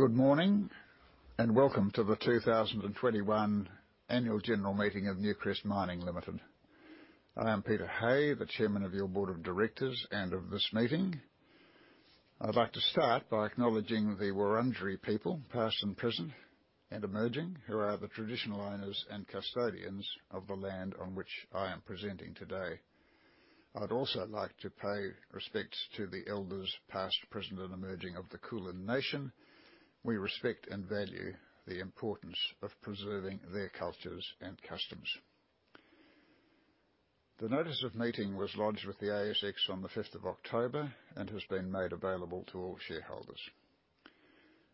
Good morning, and welcome to the 2021 Annual General Meeting of Newcrest Mining Limited. I am Peter Hay, the Chairman of your Board of Directors and of this meeting. I'd like to start by acknowledging the Wurundjeri people, past and present, and emerging, who are the traditional owners and custodians of the land on which I am presenting today. I'd also like to pay respects to the elders, past, present, and emerging of the Kulin nation. We respect and value the importance of preserving their cultures and customs. The notice of meeting was lodged with the ASX on the 5th of October and has been made available to all shareholders.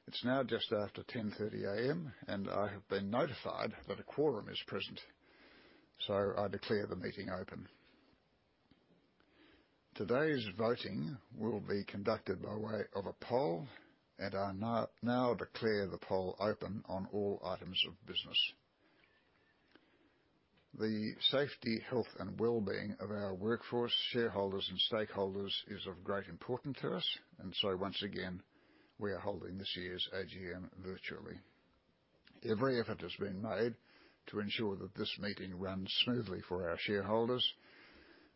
It's now just after 10:30 A.M., and I have been notified that a quorum is present, so I declare the meeting open. Today's voting will be conducted by way of a poll, and I now declare the poll open on all items of business. The safety, health, and well-being of our workforce, shareholders, and stakeholders is of great importance to us. Once again, we are holding this year's AGM virtually. Every effort has been made to ensure that this meeting runs smoothly for our shareholders.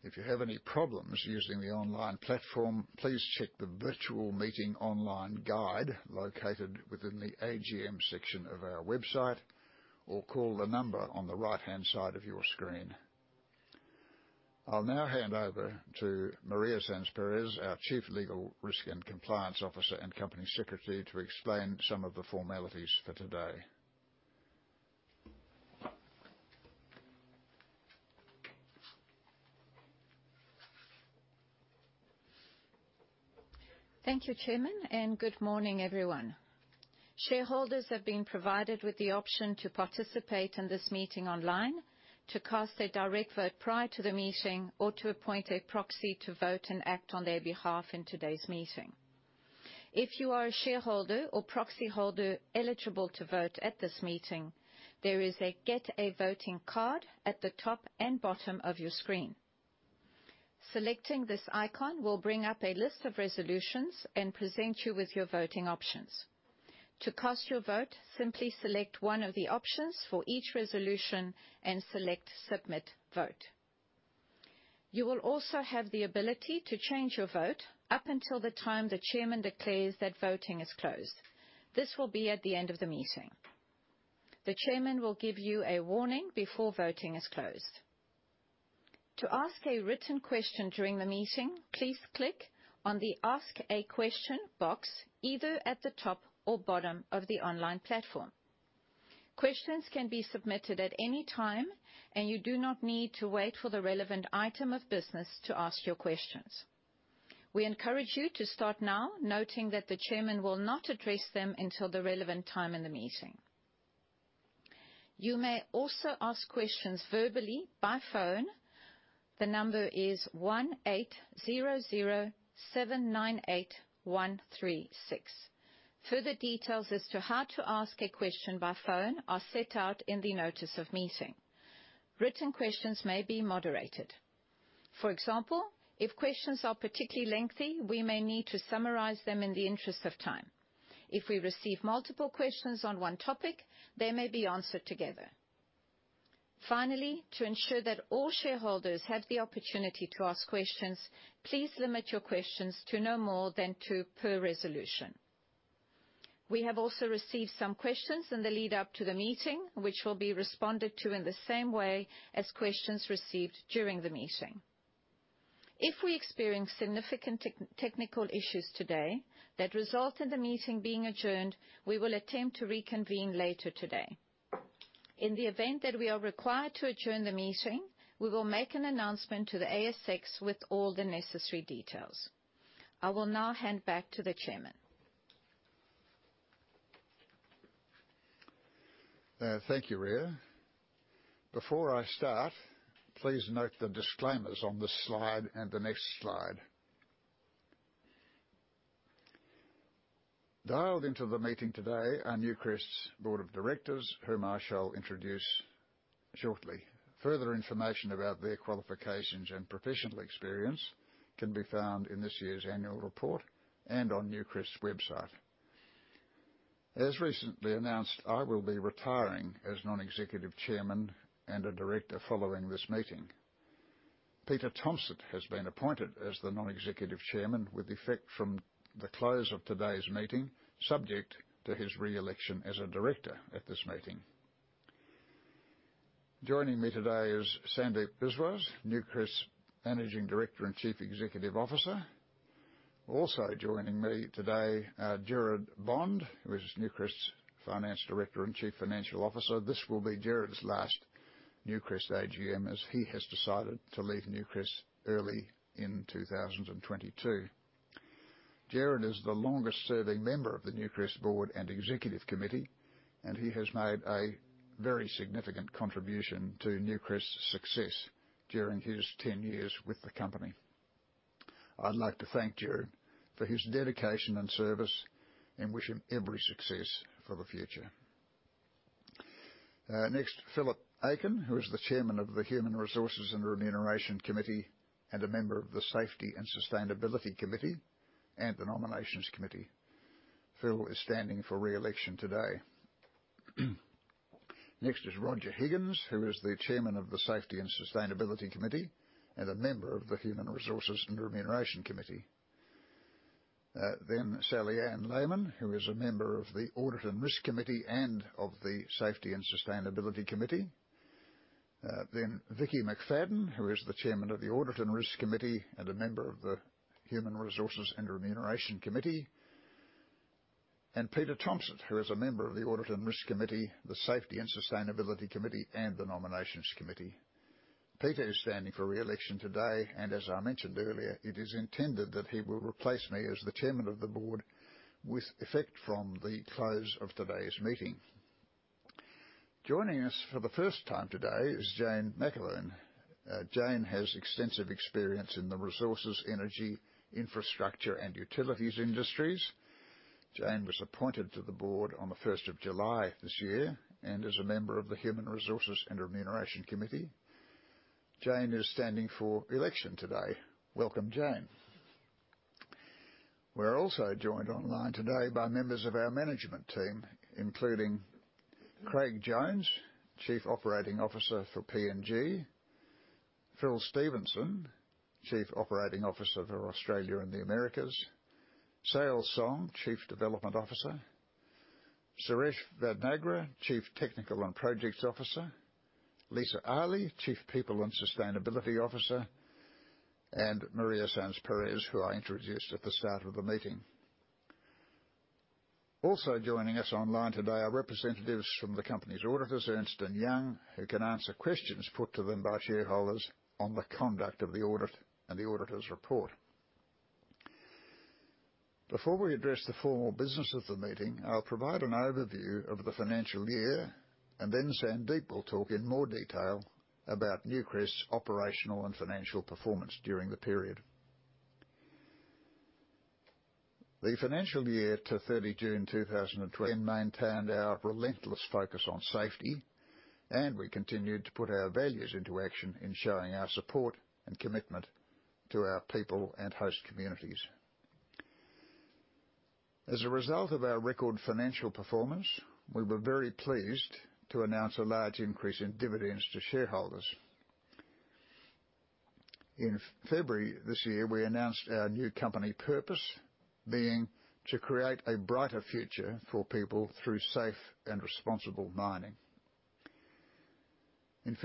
If you have any problems using the online platform, please check the virtual meeting online guide located within the AGM section of our website, or call the number on the right-hand side of your screen. I'll now hand over to Maria Sanz Perez, our Chief Legal, Risk and Compliance Officer and Company Secretary, to explain some of the formalities for today. Thank you, Chairman, and good morning, everyone. Shareholders have been provided with the option to participate in this meeting online to cast a direct vote prior to the meeting or to appoint a proxy to vote and act on their behalf in today's meeting. If you are a shareholder or proxyholder eligible to vote at this meeting, there is a Get a Voting card at the top and bottom of your screen. Selecting this icon will bring up a list of resolutions and present you with your voting options. To cast your vote, simply select one of the options for each resolution and select Submit Vote. You will also have the ability to change your vote up until the time the Chairman declares that voting is closed. This will be at the end of the meeting. The Chairman will give you a warning before voting is closed. To ask a written question during the meeting, please click on the Ask a Question box, either at the top or bottom of the online platform. Questions can be submitted at any time, and you do not need to wait for the relevant item of business to ask your questions. We encourage you to start now, noting that the Chairman will not address them until the relevant time in the meeting. You may also ask questions verbally by phone. The number is 1800-798-136. Further details as to how to ask a question by phone are set out in the notice of meeting. Written questions may be moderated. For example, if questions are particularly lengthy, we may need to summarize them in the interest of time. If we receive multiple questions on one topic, they may be answered together. Finally, to ensure that all shareholders have the opportunity to ask questions, please limit your questions to no more than two per resolution. We have also received some questions in the lead-up to the meeting, which will be responded to in the same way as questions received during the meeting. If we experience significant technical issues today that result in the meeting being adjourned, we will attempt to reconvene later today. In the event that we are required to adjourn the meeting, we will make an announcement to the ASX with all the necessary details. I will now hand back to the Chairman. Thank you, Maria. Before I start, please note the disclaimers on this slide and the next slide. Dialed into the meeting today are Newcrest's Board of Directors, whom I shall introduce shortly. Further information about their qualifications and professional experience can be found in this year's annual report and on Newcrest's website. As recently announced, I will be retiring as Non-Executive Chairman and a Director following this meeting. Peter Tomsett has been appointed as the Non-Executive Chairman with effect from the close of today's meeting, subject to his re-election as a Director at this meeting. Joining me today is Sandeep Biswas, Newcrest's Managing Director and Chief Executive Officer. Also joining me today, Gerard Bond, who is Newcrest's Finance Director and Chief Financial Officer. This will be Gerard's last Newcrest AGM as he has decided to leave Newcrest early in 2022. Gerard is the longest-serving member of the Newcrest board and executive committee, and he has made a very significant contribution to Newcrest's success during his 10 years with the company. I'd like to thank Gerard for his dedication and service and wish him every success for the future. Next, Philip Aiken, who is the Chairman of the Human Resources and Remuneration Committee and a member of the Safety and Sustainability Committee and the Nominations Committee. Phil is standing for re-election today. Next is Roger Higgins, who is the Chairman of the Safety and Sustainability Committee and a member of the Human Resources and Remuneration Committee. Sally-Anne Layman, who is a member of the Audit and Risk Committee and of the Safety and Sustainability Committee. Vickki McFadden, who is the Chairman of the Audit and Risk Committee and a member of the Human Resources and Remuneration Committee. Peter Tomsett, who is a member of the Audit and Risk Committee, the Safety and Sustainability Committee, and the Nominations Committee. Peter is standing for re-election today, and as I mentioned earlier, it is intended that he will replace me as the Chairman of the board with effect from the close of today's meeting. Joining us for the first time today is Jane McAloon. Jane has extensive experience in the resources, energy, infrastructure, and utilities industries. Jane was appointed to the Board on the 1st of July this year and is a member of the Human Resources and Remuneration Committee. Jane is standing for election today. Welcome, Jane. We're also joined online today by members of our management team, including Craig Jones, Chief Operating Officer for PNG, Phil Stephenson, Chief Operating Officer for Australia and the Americas, Seil Song, Chief Development Officer, Suresh Vadnagra, Chief Technical and Projects Officer, Lisa Ali, Chief People and Sustainability Officer, and Maria Sanz Perez, who I introduced at the start of the meeting. Also joining us online today are representatives from the company's auditors, Ernst & Young, who can answer questions put to them by shareholders on the conduct of the audit and the auditors' report. Before we address the formal business of the meeting, I'll provide an overview of the financial year, and then Sandeep will talk in more detail about Newcrest's operational and financial performance during the period. The financial year to 30 June 2020 maintained our relentless focus on safety, and we continued to put our values into action in showing our support and commitment to our people and host communities. As a result of our record financial performance, we were very pleased to announce a large increase in dividends to shareholders. In February this year, we announced our new company purpose, being to create a brighter future for people through safe and responsible mining. In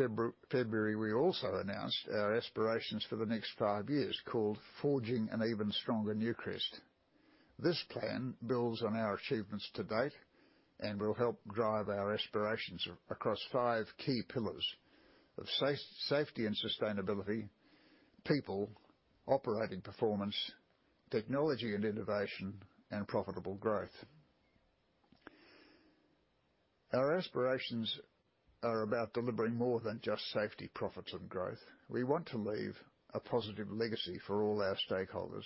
February, we also announced our aspirations for the next five years, called Forging an Even Stronger Newcrest. This plan builds on our achievements to date and will help drive our aspirations across five key pillars of safety and sustainability, people, operating performance, technology and innovation, and profitable growth. Our aspirations are about delivering more than just safety, profits, and growth. We want to leave a positive legacy for all our stakeholders.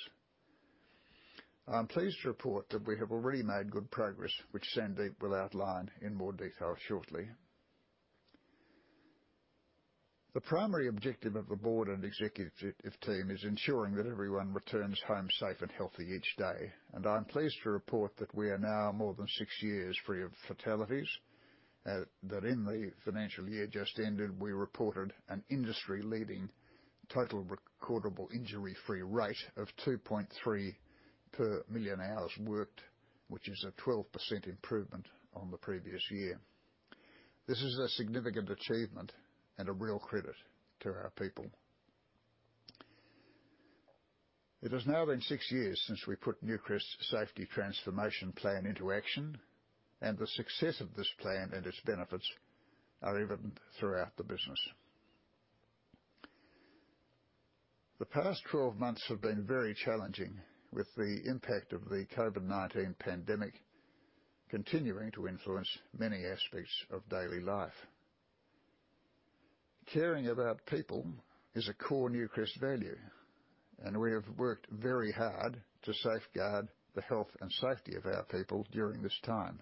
I'm pleased to report that we have already made good progress, which Sandeep will outline in more detail shortly. The primary objective of the board and executive team is ensuring that everyone returns home safe and healthy each day. I'm pleased to report that we are now more than six years free of fatalities, that in the financial year just ended, we reported an industry-leading total recordable injury frequency rate of 2.3 per million hours worked, which is a 12% improvement on the previous year. This is a significant achievement and a real credit to our people. It has now been six years since we put Newcrest's safety plan into action, and the success of this plan and its benefits are evident throughout the business. The past 12 months have been very challenging, with the impact of the COVID-19 pandemic continuing to influence many aspects of daily life. Caring about people is a core Newcrest value, and we have worked very hard to safeguard the health and safety of our people during this time.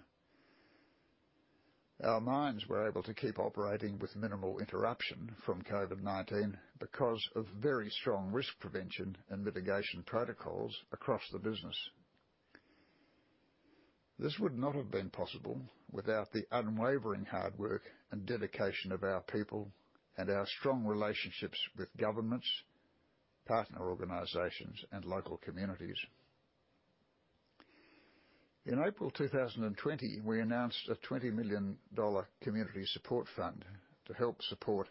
Our mines were able to keep operating with minimal interruption from COVID-19 because of very strong risk prevention and mitigation protocols across the business. This would not have been possible without the unwavering hard work and dedication of our people and our strong relationships with governments, partner organizations, and local communities. In April 2020, we announced a $20 million community support fund to help support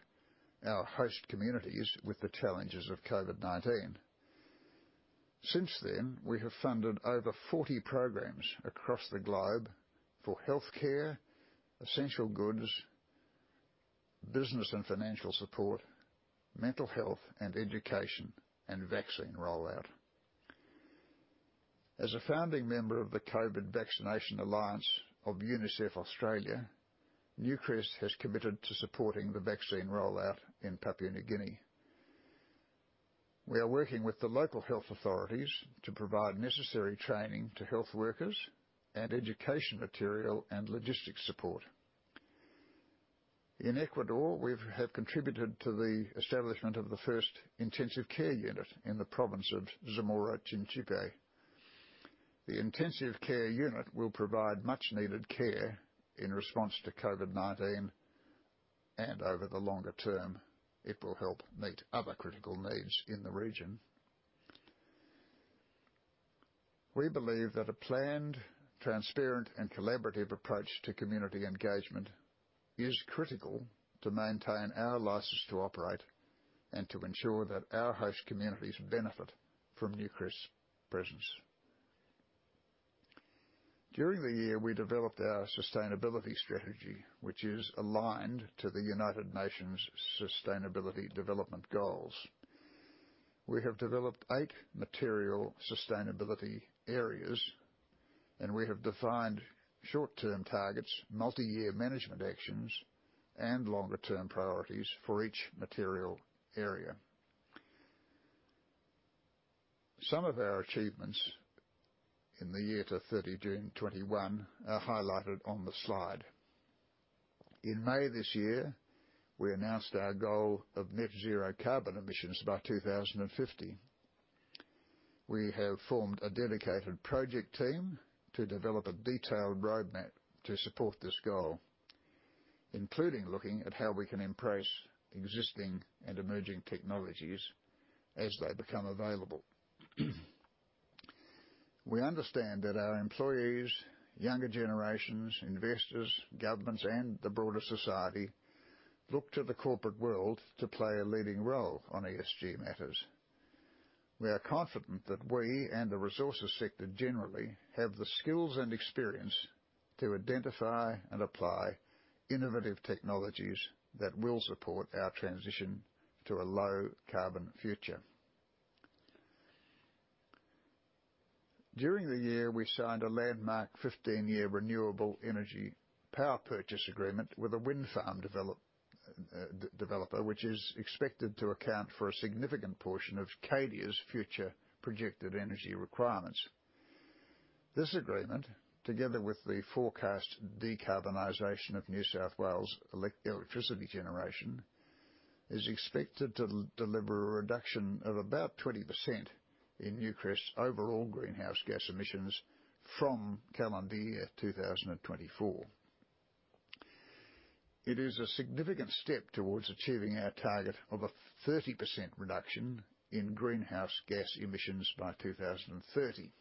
our host communities with the challenges of COVID-19. Since then, we have funded over 40 programs across the globe for healthcare, essential goods, business and financial support, mental health and education, and vaccine rollout. As a founding member of the COVID Vaccination Alliance of UNICEF Australia, Newcrest has committed to supporting the vaccine rollout in Papua New Guinea. We are working with the local health authorities to provide necessary training to health workers and education material, and logistics support. In Ecuador, we have contributed to the establishment of the first intensive care unit in the province of Zamora-Chinchipe. The intensive care unit will provide much-needed care in response to COVID-19, and over the longer term, it will help meet other critical needs in the region. We believe that a planned, transparent, and collaborative approach to community engagement is critical to maintain our license to operate and to ensure that our host communities benefit from Newcrest's presence. During the year, we developed our sustainability strategy, which is aligned to the United Nations Sustainable Development Goals. We have developed eight material sustainability areas, and we have defined short-term targets, multi-year management actions, and longer-term priorities for each material area. Some of our achievements in the year to 30 June 2021 are highlighted on the slide. In May this year, we announced our goal of net-zero carbon emissions by 2050. We have formed a dedicated project team to develop a detailed roadmap to support this goal, including looking at how we can embrace existing and emerging technologies as they become available. We understand that our employees, younger generations, investors, governments, and the broader society look to the corporate world to play a leading role on ESG matters. We are confident that we and the resources sector generally have the skills and experience to identify and apply innovative technologies that will support our transition to a low-carbon future. During the year, we signed a landmark 15-year renewable energy power purchase agreement with a wind farm developer, which is expected to account for a significant portion of Cadia's future projected energy requirements. This agreement, together with the forecast decarbonization of New South Wales electricity generation, is expected to deliver a reduction of about 20% in Newcrest's overall greenhouse gas emissions from calendar year 2024. It is a significant step towards achieving our target of a 30% reduction in greenhouse gas emissions by 2030.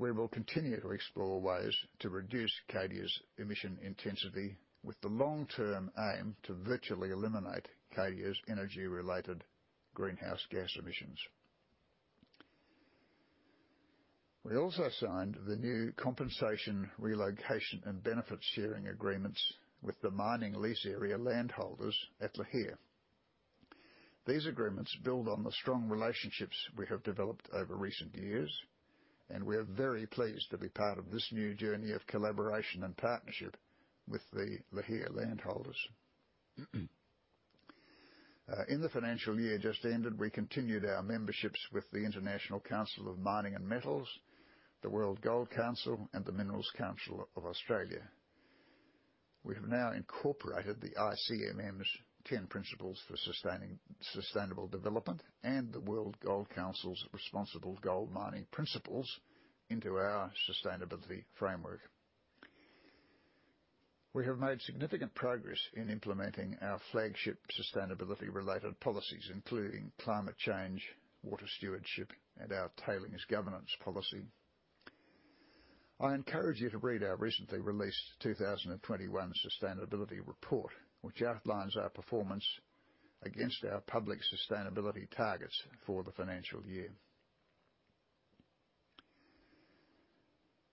We will continue to explore ways to reduce Cadia's emission intensity with the long-term aim to virtually eliminate Cadia's energy-related greenhouse gas emissions. We also signed the new compensation, relocation, and benefit-sharing agreements with the mining lease area landholders at Lihir. These agreements build on the strong relationships we have developed over recent years, and we're very pleased to be part of this new journey of collaboration and partnership with the Lihir landholders. In the financial year just ended, we continued our memberships with the International Council of Mining and Metals, the World Gold Council, and the Minerals Council of Australia. We have now incorporated the ICMM's ten principles for sustainable development and the World Gold Council's responsible gold mining principles into our sustainability framework. We have made significant progress in implementing our flagship sustainability-related policies, including climate change, water stewardship, and our tailings governance policy. I encourage you to read our recently released 2021 sustainability report, which outlines our performance against our public sustainability targets for the financial year.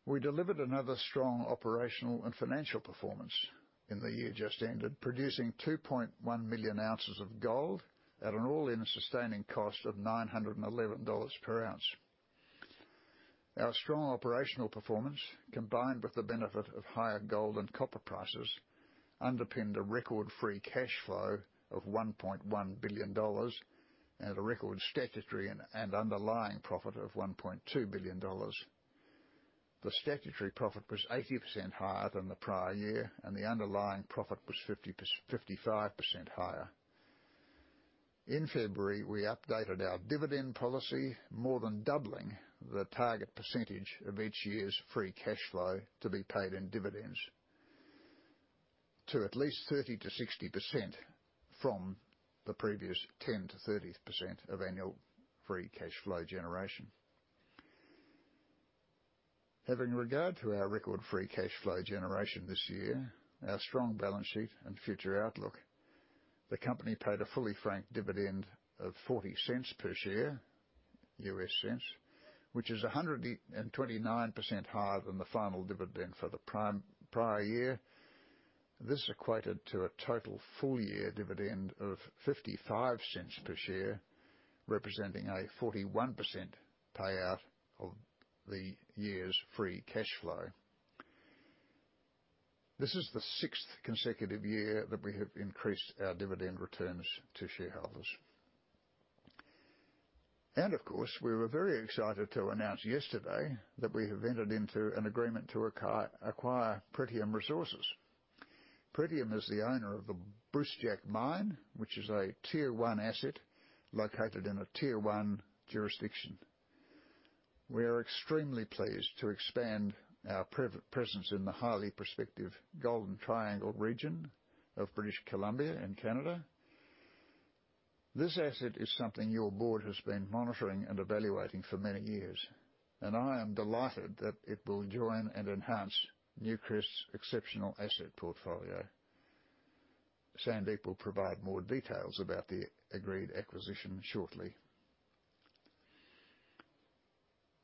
We delivered another strong operational and financial performance in the year just ended, producing 2.1 million ounces of gold at an all-in sustaining cost of $911 per ounce. Our strong operational performance, combined with the benefit of higher gold and copper prices, underpinned a record free cash flow of $1.1 billion and a record statutory and underlying profit of $1.2 billion. The statutory profit was 80% higher than the prior year, and the underlying profit was 55% higher. In February, we updated our dividend policy, more than doubling the target percentage of each year's free cash flow to be paid in dividends to at least 30%-60% from the previous 10%-30% of annual free cash flow generation. Having regard to our record free cash flow generation this year, our strong balance sheet and future outlook, the company paid a fully franked dividend of $0.40 per share, U.S. cents, which is 129% higher than the final dividend for the prior year. This equated to a total full-year dividend of $0.55 per share, representing a 41% payout of the year's free cash flow. This is the sixth consecutive year that we have increased our dividend returns to shareholders. Of course, we were very excited to announce yesterday that we have entered into an agreement to acquire Pretium Resources. Pretium is the owner of the Brucejack mine, which is a Tier 1 asset located in a Tier 1 jurisdiction. We are extremely pleased to expand our presence in the highly prospective Golden Triangle region of British Columbia in Canada. This asset is something your board has been monitoring and evaluating for many years, and I am delighted that it will join and enhance Newcrest's exceptional asset portfolio. Sandeep will provide more details about the agreed acquisition shortly.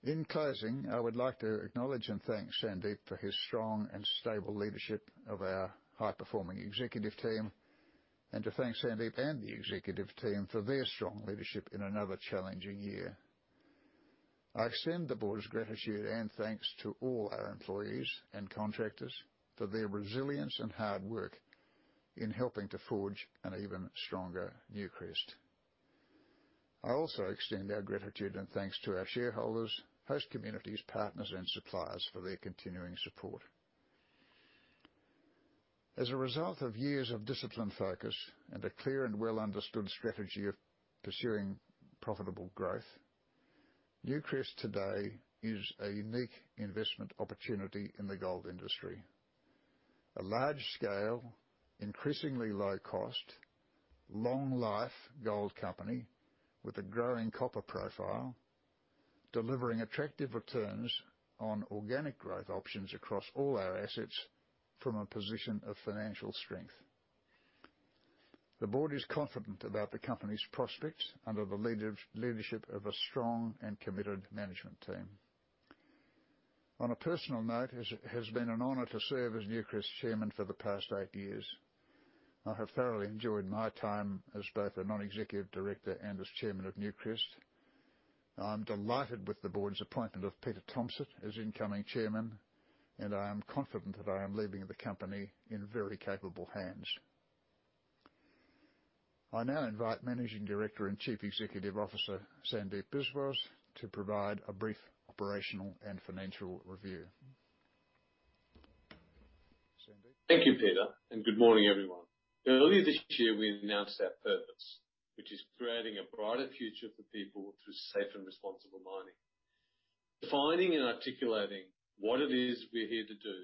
In closing, I would like to acknowledge and thank Sandeep for his strong and stable leadership of our high-performing executive team, and to thank Sandeep and the executive team for their strong leadership in another challenging year. I extend the board's gratitude and thanks to all our employees and contractors for their resilience and hard work in helping to Forge an Even Stronger Newcrest. I also extend our gratitude and thanks to our shareholders, host communities, partners, and suppliers for their continuing support. As a result of years of disciplined focus and a clear and well-understood strategy of pursuing profitable growth, Newcrest today is a unique investment opportunity in the gold industry. A large-scale, increasingly low-cost, long-life gold company with a growing copper profile, delivering attractive returns on organic growth options across all our assets from a position of financial strength. The board is confident about the company's prospects under the leadership of a strong and committed management team. On a personal note, it has been an honor to serve as Newcrest's Chairman for the past eight years. I have thoroughly enjoyed my time as both a Non-Executive Director and as Chairman of Newcrest. I'm delighted with the board's appointment of Peter Tomsett as incoming Chairman, and I am confident that I am leaving the company in very capable hands. I now invite Managing Director and Chief Executive Officer, Sandeep Biswas, to provide a brief operational and financial review. Sandeep? Thank you, Peter, and good morning, everyone. Earlier this year, we announced our purpose, which is creating a brighter future for people through safe and responsible mining. Defining and articulating what it is we're here to do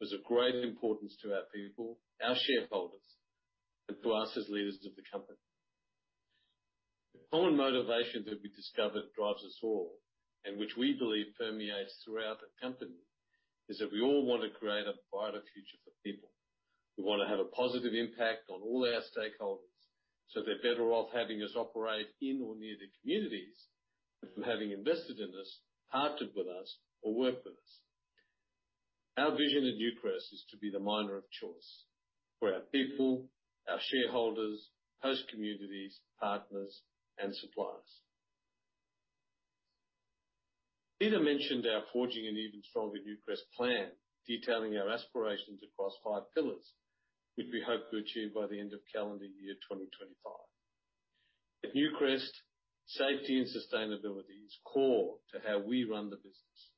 is of great importance to our people, our shareholders, and to us as leaders of the company. The common motivation that we discovered drives us all, and which we believe permeates throughout the company, is that we all wanna create a brighter future for people. We wanna have a positive impact on all our stakeholders, so they're better off having us operate in or near their communities than from having invested in us, partnered with us or worked with us. Our vision at Newcrest is to be the miner of choice for our people, our shareholders, host communities, partners, and suppliers. Peter mentioned our Forging an Even Stronger Newcrest plan, detailing our aspirations across five pillars, which we hope to achieve by the end of calendar year 2025. At Newcrest, safety and sustainability is core to how we run the business.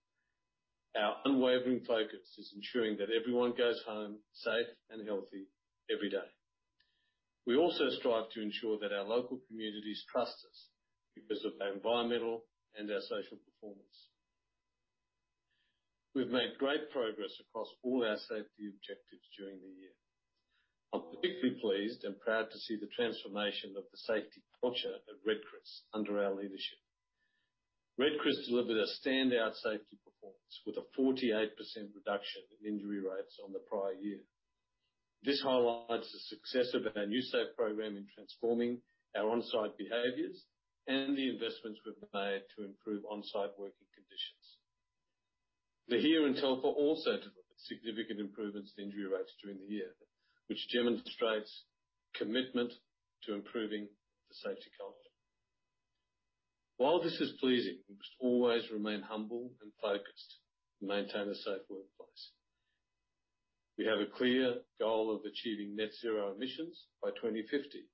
Our unwavering focus is ensuring that everyone goes home safe and healthy every day. We also strive to ensure that our local communities trust us because of our environmental and our social performance. We've made great progress across all our safety objectives during the year. I'm particularly pleased and proud to see the transformation of the safety culture at Red Chris under our leadership. Red Chris delivered a standout safety performance with a 48% reduction in injury rates on the prior year. This highlights the success of our NewSafe program in transforming our on-site behaviors and the investments we've made to improve on-site working conditions. The team here in Telfer also delivered significant improvements in injury rates during the year, which demonstrates commitment to improving the safety culture. While this is pleasing, we must always remain humble and focused to maintain a safe workplace. We have a clear goal of achieving net zero emissions by 2050,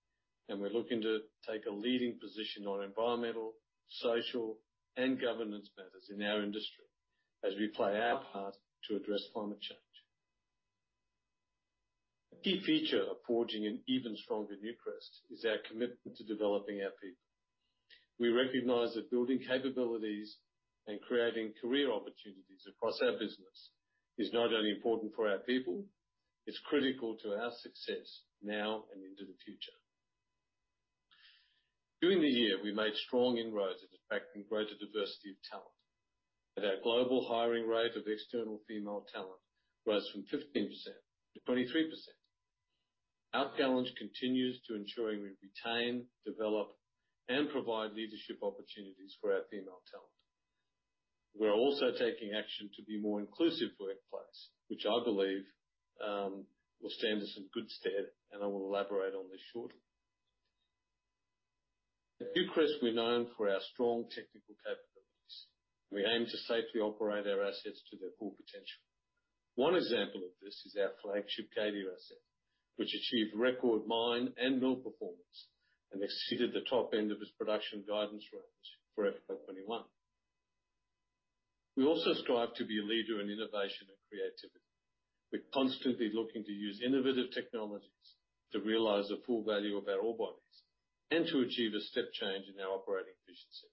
and we're looking to take a leading position on environmental, social, and governance matters in our industry as we play our part to address climate change. A key feature of Forging an Even Stronger Newcrest is our commitment to developing our people. We recognize that building capabilities and creating career opportunities across our business is not only important for our people, it's critical to our success now and into the future. During the year, we made strong inroads into attracting greater diversity of talent. Our global hiring rate of external female talent rose from 15% to 23%. Our challenge continues to ensuring we retain, develop, and provide leadership opportunities for our female talent. We're also taking action to be a more inclusive workplace, which I believe will stand us in good stead, and I will elaborate on this shortly. At Newcrest, we're known for our strong technical capabilities. We aim to safely operate our assets to their full potential. One example of this is our flagship Cadia asset, which achieved record mine and mill performance and exceeded the top end of its production guidance range for FY 2021. We also strive to be a leader in innovation and creativity. We're constantly looking to use innovative technologies to realize the full value of our ore bodies and to achieve a step change in our operating efficiency.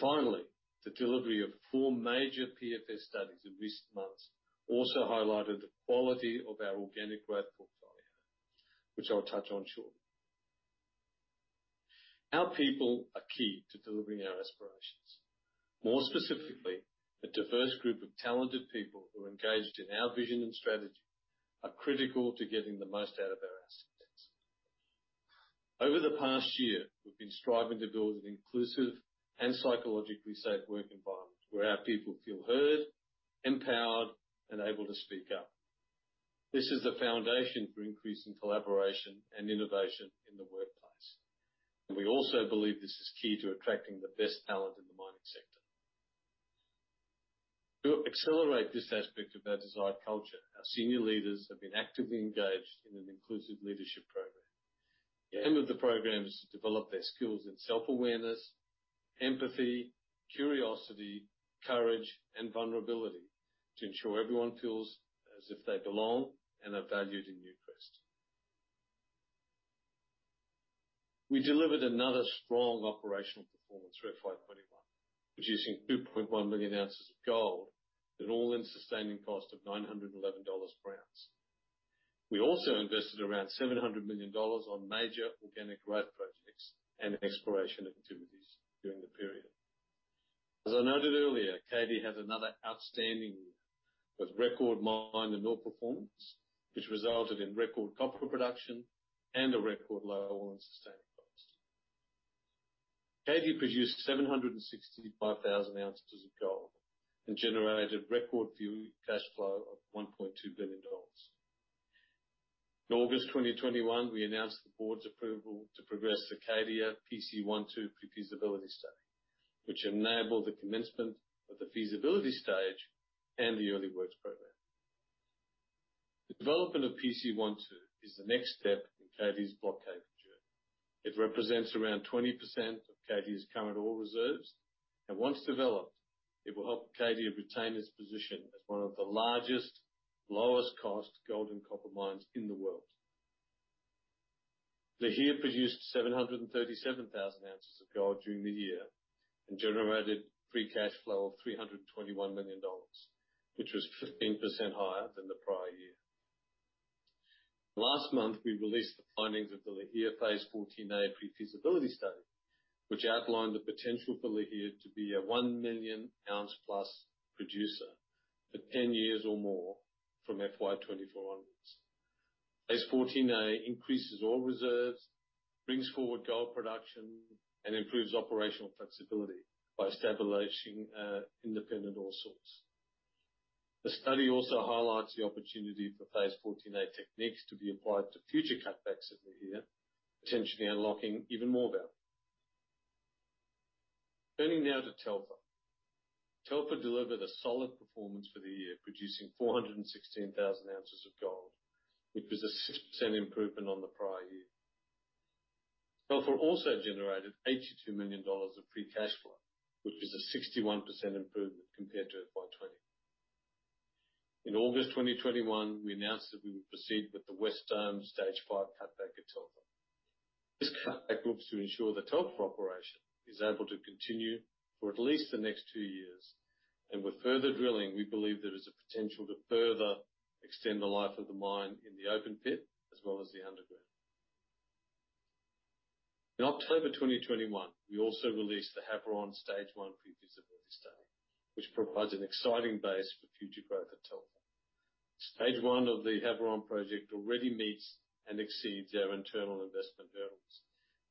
Finally, the delivery of four major PFS studies in recent months also highlighted the quality of our organic growth portfolio, which I'll touch on shortly. Our people are key to delivering our aspirations. More specifically, a diverse group of talented people who are engaged in our vision and strategy are critical to getting the most out of our assets. Over the past year, we've been striving to build an inclusive and psychologically safe work environment where our people feel heard, empowered, and able to speak up. This is the foundation for increasing collaboration and innovation in the workplace, and we also believe this is key to attracting the best talent in the mining sector. To accelerate this aspect of our desired culture, our senior leaders have been actively engaged in an inclusive leadership program. The aim of the program is to develop their skills in self-awareness, empathy, curiosity, courage, and vulnerability to ensure everyone feels as if they belong and are valued in Newcrest. We delivered another strong operational performance for FY 2021, producing 2.1 million ounces of gold at an all-in sustaining cost of $911 per ounce. We also invested around $700 million on major organic growth projects and exploration activities during the period. As I noted earlier, Cadia has another outstanding year with record mine and mill performance, which resulted in record copper production and a record low all-in sustaining cost. Cadia produced 765,000 ounces of gold and generated record free cash flow of $1.2 billion. In August 2021, we announced the board's approval to progress the Cadia PC1-2 pre-feasibility study, which enabled the commencement of the feasibility stage and the early works program. The development of PC1-2 is the next step in Cadia's block cave journey. It represents around 20% of Cadia's current ore reserves, and once developed, it will help Cadia retain its position as one of the largest, lowest-cost gold and copper mines in the world. Lihir produced 737,000 ounces of gold during the year and generated free cash flow of $321 million, which was 15% higher than the prior year. Last month, we released the findings of the Lihir Phase 14A pre-feasibility study, which outlined the potential for Lihir to be a 1 million ounce-plus producer for 10 years or more from FY 2024 onwards. Phase 14A increases ore reserves, brings forward gold production, and improves operational flexibility by establishing independent ore source. The study also highlights the opportunity for Phase 14A techniques to be applied to future cutbacks at Lihir, potentially unlocking even more value. Turning now to Telfer. Telfer delivered a solid performance for the year, producing 416,000 ounces of gold, which was a 6% improvement on the prior year. Telfer also generated $82 million of free cash flow, which is a 61% improvement compared to FY 2020. In August 2021, we announced that we would proceed with the West Dome Stage 5 cutback at Telfer. This cutback looks to ensure the Telfer operation is able to continue for at least the next two years. With further drilling, we believe there is a potential to further extend the life of the mine in the open pit as well as the underground. In October 2021, we also released the Havieron Stage 1 pre-feasibility study, which provides an exciting base for future growth at Telfer. Stage 1 of the Havieron project already meets and exceeds our internal investment hurdles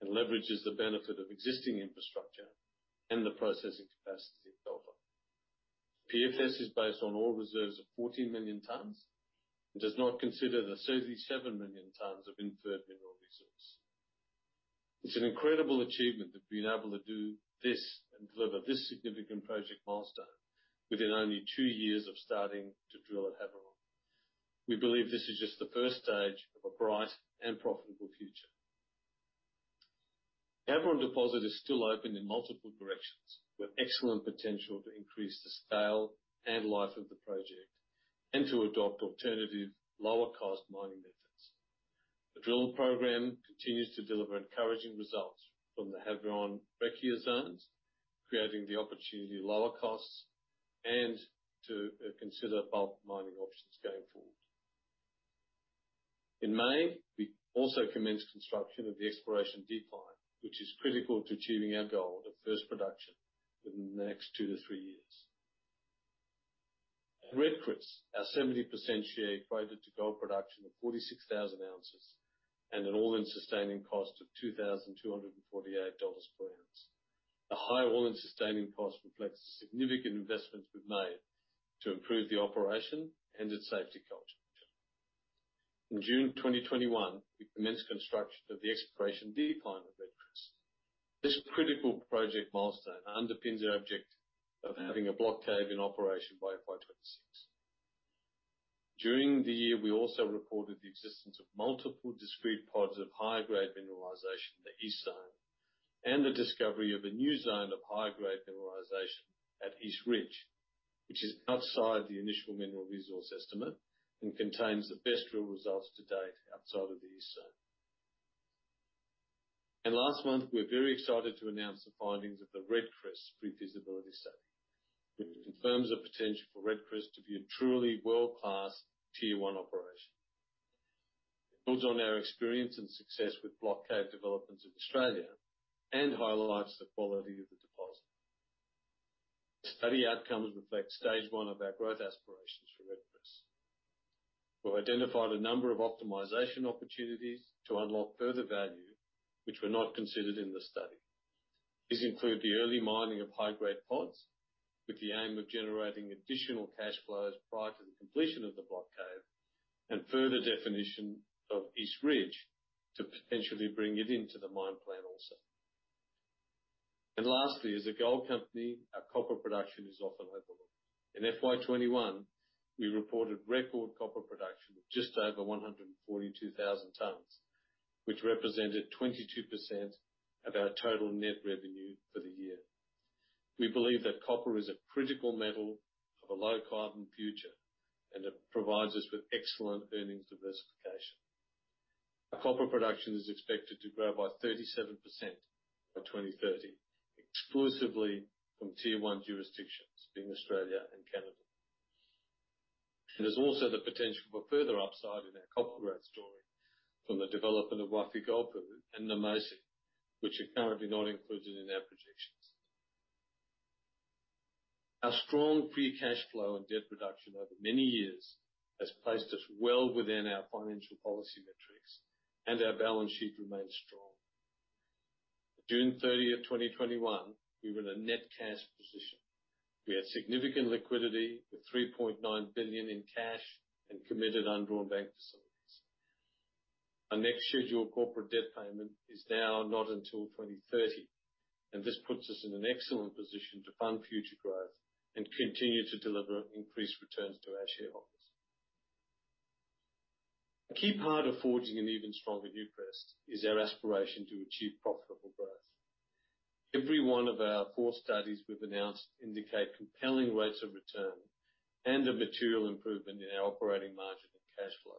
and leverages the benefit of existing infrastructure and the processing capacity of Telfer. PFS is based on ore reserves of 14 million tons and does not consider the 37 million tons of inferred mineral resource. It's an incredible achievement to have been able to do this and deliver this significant project milestone within only two years of starting to drill at Havieron. We believe this is just the first stage of a bright and profitable future. Havieron deposit is still open in multiple directions with excellent potential to increase the scale and life of the project and to adopt alternative lower-cost mining methods. The drill program continues to deliver encouraging results from the Havieron Breccia zones, creating the opportunity to lower costs and to consider bulk mining options going forward. In May, we also commenced construction of the exploration decline, which is critical to achieving our goal of first production within the next two to three years. Red Chris, our 70% share equated to gold production of 46,000 ounces and an all-in sustaining cost of $2,248 per ounce. The high all-in sustaining cost reflects the significant investments we've made to improve the operation and its safety culture. In June 2021, we commenced construction of the exploration decline of Red Chris. This critical project milestone underpins our objective of having a block cave in operation by FY 2026. During the year, we also reported the existence of multiple discrete pods of high-grade mineralization in the East Zone, and the discovery of a new zone of high-grade mineralization at East Ridge, which is outside the initial mineral resource estimate and contains the best real results to date outside of the East Zone. Last month, we're very excited to announce the findings of the Red Chris Pre-Feasibility Study, which confirms the potential for Red Chris to be a truly world-class tier one operation. It builds on our experience and success with block cave developments in Australia and highlights the quality of the deposit. The study outcomes reflect stage one of our growth aspirations for Red Chris, who identified a number of optimization opportunities to unlock further value, which were not considered in the study. These include the early mining of high-grade pods with the aim of generating additional cash flows prior to the completion of the block cave, and further definition of East Ridge to potentially bring it into the mine plan, also. Lastly, as a gold company, our copper production is often overlooked. In FY 2021, we reported record copper production of just over 142,000 tons, which represented 22% of our total net revenue for the year. We believe that copper is a critical metal of a low-carbon future, and it provides us with excellent earnings diversification. Our copper production is expected to grow by 37% by 2030, exclusively from tier one jurisdictions, being Australia and Canada. There's also the potential for further upside in our copper growth story from the development of Wafi-Golpu and Namosi, which are currently not included in our projections. Our strong free cash flow and debt reduction over many years has placed us well within our financial policy metrics, and our balance sheet remains strong. On June 30th, 2021, we were in a net cash position. We had significant liquidity with $3.9 billion in cash and committed undrawn bank facilities. Our next scheduled corporate debt payment is now not until 2030. This puts us in an excellent position to fund future growth and continue to deliver increased returns to our shareholders. A key part of Forging an Even Stronger Newcrest is our aspiration to achieve profitable growth. Every one of our four studies we've announced indicate compelling rates of return and a material improvement in our operating margin and cash flow.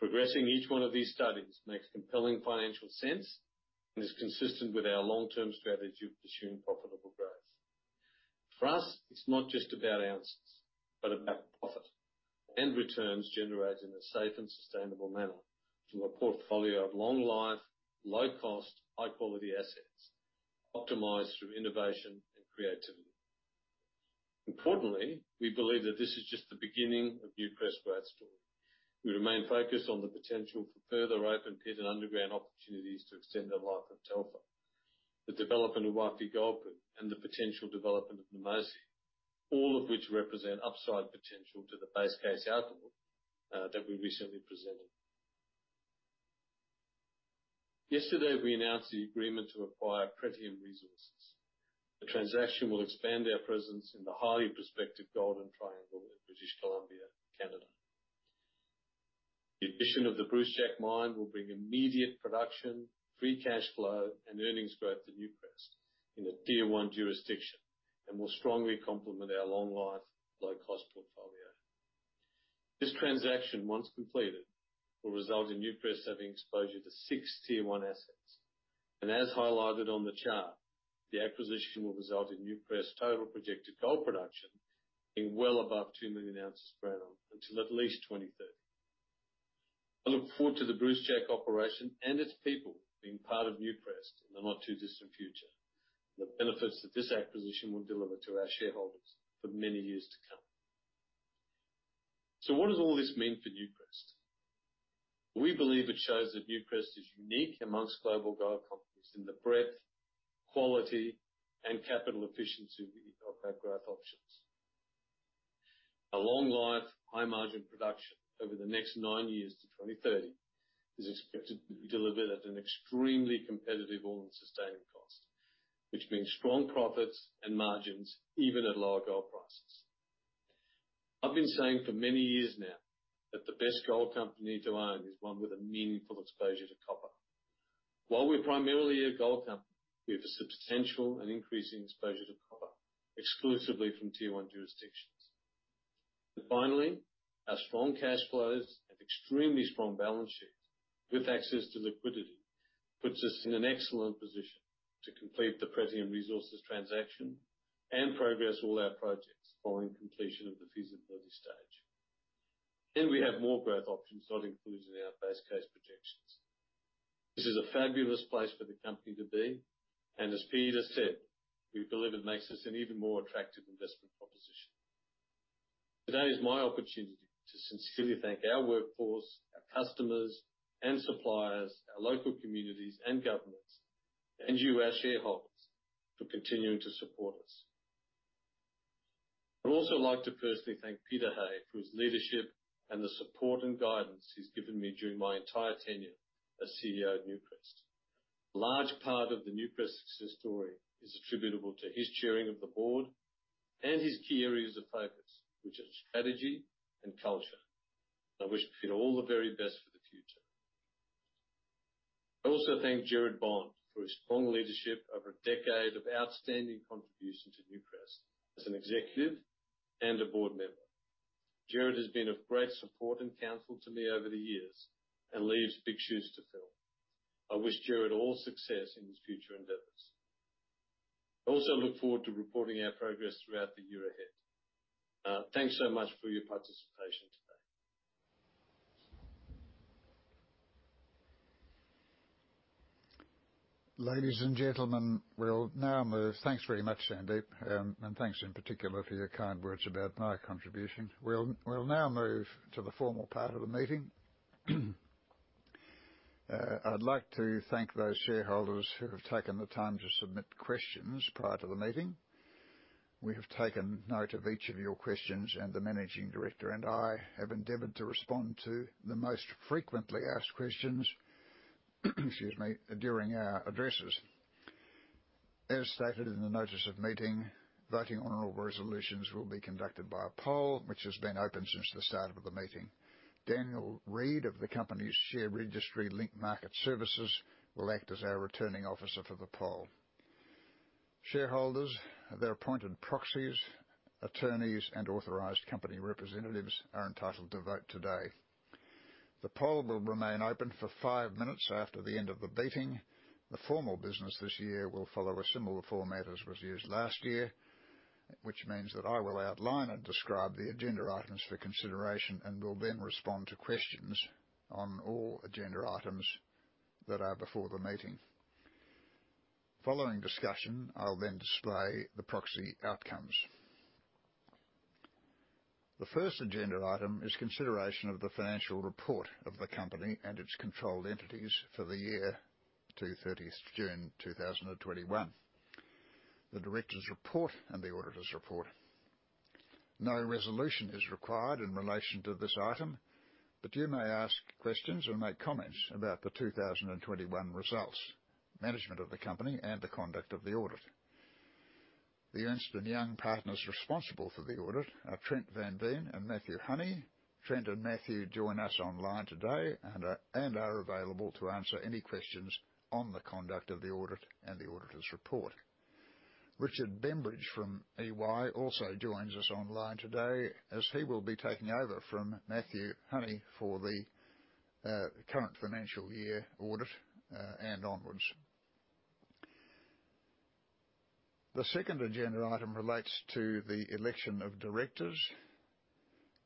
Progressing each one of these studies makes compelling financial sense and is consistent with our long-term strategy of pursuing profitable growth. For us, it's not just about ounces, but about profit and returns generated in a safe and sustainable manner through a portfolio of long-life, low-cost, high-quality assets optimized through innovation and creativity. Importantly, we believe that this is just the beginning of Newcrest growth story. We remain focused on the potential for further open-pit and underground opportunities to extend the life of Telfer, the development of Wafi-Golpu, and the potential development of Namosi, all of which represent upside potential to the base case outlook that we recently presented. Yesterday, we announced the agreement to acquire Pretium Resources. The transaction will expand our presence in the highly prospective Golden Triangle in British Columbia, Canada. The addition of the Brucejack mine will bring immediate production, free cash flow, and earnings growth to Newcrest in a tier one jurisdiction and will strongly complement our long-life, low-cost portfolio. This transaction, once completed, will result in Newcrest having exposure to six tier one assets. As highlighted on the chart, the acquisition will result in Newcrest's total projected gold production being well above 2 million ounces per annum until at least 2030. I look forward to the Brucejack operation and its people being part of Newcrest in the not-too-distant future, and the benefits that this acquisition will deliver to our shareholders for many years to come. What does all this mean for Newcrest? We believe it shows that Newcrest is unique amongst global gold companies in the breadth, quality, and capital efficiency of our growth options. Our long-life, high-margin production over the next nine years to 2030 is expected to be delivered at an extremely competitive all-in sustaining cost, which means strong profits and margins even at lower gold prices. I've been saying for many years now that the best gold company to own is one with a meaningful exposure to copper. While we're primarily a gold company, we have a substantial and increasing exposure to copper exclusively from tier one jurisdictions. Finally, our strong cash flows and extremely strong balance sheet with access to liquidity puts us in an excellent position to complete the Pretium Resources transaction and progress all our projects following completion of the feasibility study. We have more growth options not included in our base case projections. This is a fabulous place for the company to be. As Peter said, we believe it makes us an even more attractive investment proposition. Today is my opportunity to sincerely thank our workforce, our customers and suppliers, our local communities and governments, and you, our shareholders, for continuing to support us. I'd also like to personally thank Peter Hay for his leadership and the support and guidance he's given me during my entire tenure as CEO of Newcrest. Large part of the Newcrest success story is attributable to his chairing of the board and his key areas of focus, which are strategy and culture. I wish Peter all the very best for the future. I also thank Gerard Bond for his strong leadership over a decade of outstanding contribution to Newcrest as an executive and a board member. Gerard has been of great support and counsel to me over the years and leaves big shoes to fill. I wish Gerard all success in his future endeavors. I also look forward to reporting our progress throughout the year ahead. Thanks so much for your participation today. Ladies and gentlemen, we'll now move. Thanks very much, Sandeep, and thanks in particular for your kind words about my contribution. We'll now move to the formal part of the meeting. I'd like to thank those shareholders who have taken the time to submit questions prior to the meeting. We have taken note of each of your questions, and the Managing Director and I have endeavored to respond to the most frequently asked questions, excuse me, during our addresses. As stated in the notice of meeting, voting on all resolutions will be conducted by a poll which has been open since the start of the meeting. Daniel Reid of the company's share registry, Link Market Services, will act as our returning officer for the poll. Shareholders, their appointed proxies, attorneys, and authorized company representatives are entitled to vote today. The poll will remain open for five minutes after the end of the meeting. The formal business this year will follow a similar format as was used last year, which means that I will outline and describe the agenda items for consideration and will then respond to questions on all agenda items that are before the meeting. Following discussion, I'll then display the proxy outcomes. The first agenda item is consideration of the financial report of the company and its controlled entities for the year to 30 June 2021, the Directors' report and the auditor's report. No resolution is required in relation to this item, but you may ask questions or make comments about the 2021 results, management of the company and the conduct of the audit. The Ernst & Young partners responsible for the audit are Trent van Veen and Matthew Honey. Trent and Matthew join us online today and are available to answer any questions on the conduct of the audit and the auditor's report. Richard Bembridge from EY also joins us online today as he will be taking over from Matthew Honey for the current financial year audit and onwards. The second agenda item relates to the election of Directors.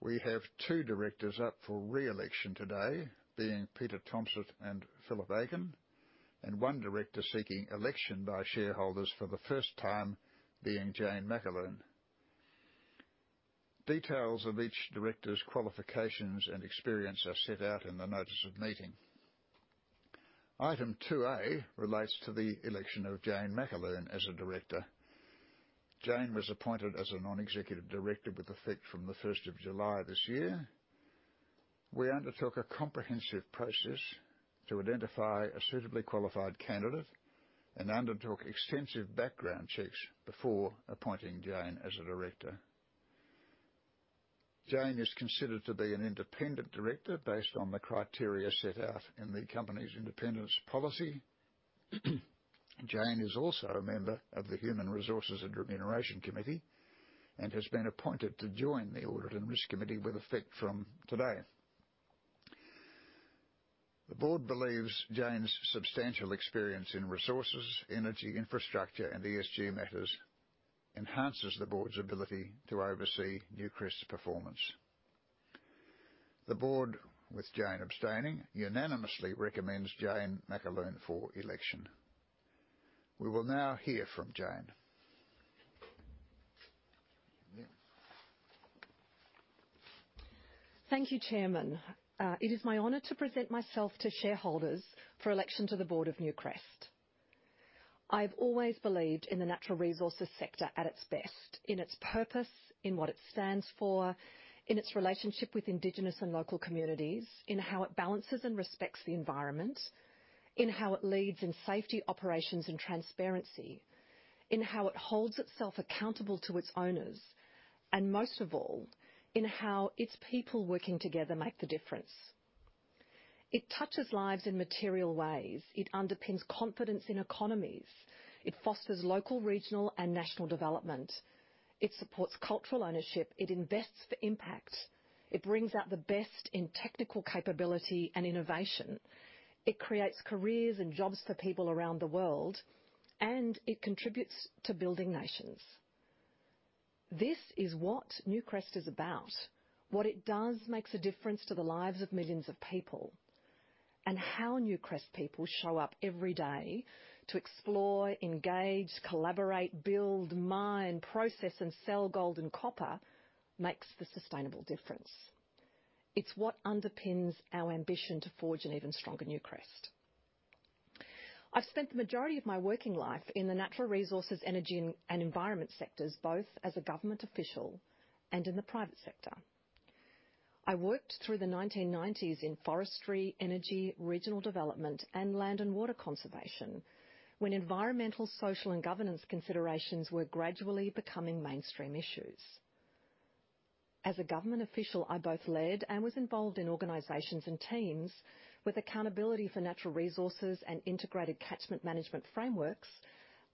We have two Directors up for re-election today, being Peter Tomsett and Philip Aiken, and one Director seeking election by shareholders for the first time, being Jane McAloon. Details of each Director's qualifications and experience are set out in the notice of meeting. Item 2A relates to the election of Jane McAloon as a Director. Jane was appointed as a Non-Executive Director with effect from the 1st of July this year. We undertook a comprehensive process to identify a suitably qualified candidate and undertook extensive background checks before appointing Jane as a Director. Jane is considered to be an Independent Director based on the criteria set out in the company's independence policy. Jane is also a member of the Human Resources and Remuneration Committee and has been appointed to join the Audit and Risk Committee with effect from today. The board believes Jane's substantial experience in resources, energy infrastructure and ESG matters enhances the board's ability to oversee Newcrest's performance. The board, with Jane abstaining, unanimously recommends Jane McAloon for election. We will now hear from Jane. Thank you, Chairman. It is my honor to present myself to shareholders for election to the board of Newcrest. I've always believed in the natural resources sector at its best, in its purpose, in what it stands for, in its relationship with indigenous and local communities, in how it balances and respects the environment, in how it leads in safety operations and transparency, in how it holds itself accountable to its owners, and most of all, in how its people working together make the difference. It touches lives in material ways. It underpins confidence in economies. It fosters local, regional and national development. It supports cultural ownership. It invests for impact. It brings out the best in technical capability and innovation. It creates careers and jobs for people around the world, and it contributes to building nations. This is what Newcrest is about. What it does makes a difference to the lives of millions of people. How Newcrest people show up every day to explore, engage, collaborate, build, mine, process, and sell gold and copper makes the sustainable difference. It's what underpins our ambition to Forge an Even Stronger Newcrest. I've spent the majority of my working life in the natural resources, energy, and environment sectors, both as a government official and in the private sector. I worked through the 1990s in forestry, energy, regional development, and land and water conservation, when environmental, social, and governance considerations were gradually becoming mainstream issues. As a government official, I both led and was involved in organizations and teams with accountability for natural resources and integrated catchment management frameworks,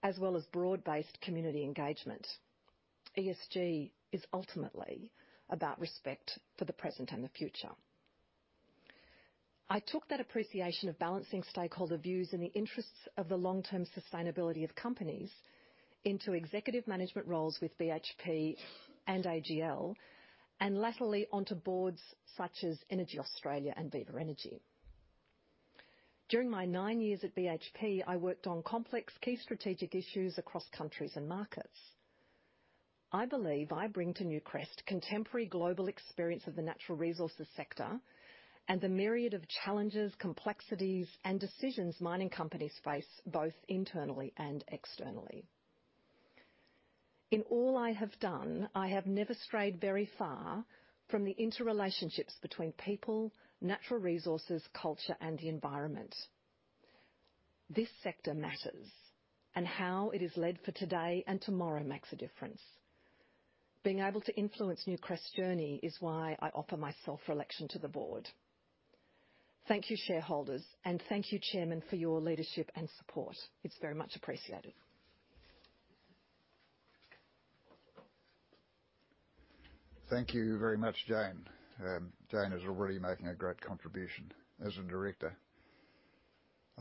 as well as broad-based community engagement. ESG is ultimately about respect for the present and the future. I took that appreciation of balancing stakeholder views in the interests of the long-term sustainability of companies into executive management roles with BHP and AGL, and latterly, onto boards such as EnergyAustralia and Viva Energy. During my nine years at BHP, I worked on complex key strategic issues across countries and markets. I believe I bring to Newcrest contemporary global experience of the natural resources sector and the myriad of challenges, complexities, and decisions mining companies face both internally and externally. In all I have done, I have never strayed very far from the interrelationships between people, natural resources, culture, and the environment. This sector matters, and how it is led for today and tomorrow makes a difference. Being able to influence Newcrest's journey is why I offer myself for election to the board. Thank you, shareholders. Thank you, Chairman, for your leadership and support. It's very much appreciated. Thank you very much, Jane. Jane is already making a great contribution as a Director.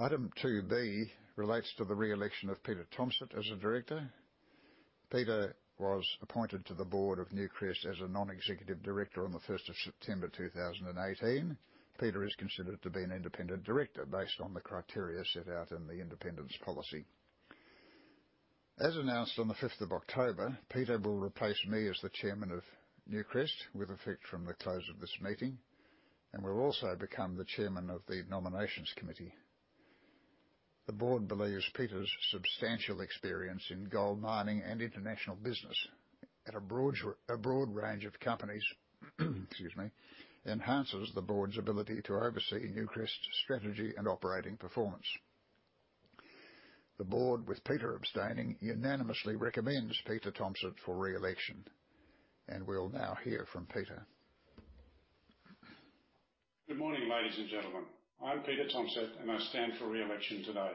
Item 2B relates to the re-election of Peter Tomsett as a Director. Peter was appointed to the board of Newcrest as a Non-Executive Director on the 1st of September 2018. Peter is considered to be an Independent Director based on the criteria set out in the independence policy. As announced on the 5th of October, Peter will replace me as the chairman of Newcrest, with effect from the close of this meeting, and will also become the chairman of the nominations committee. The board believes Peter's substantial experience in gold mining and international business at a broad range of companies enhances the board's ability to oversee Newcrest's strategy and operating performance. The board, with Peter abstaining, unanimously recommends Peter Tomsett for re-election. We'll now hear from Peter. Good morning, ladies and gentlemen. I'm Peter Tomsett, and I stand for re-election today.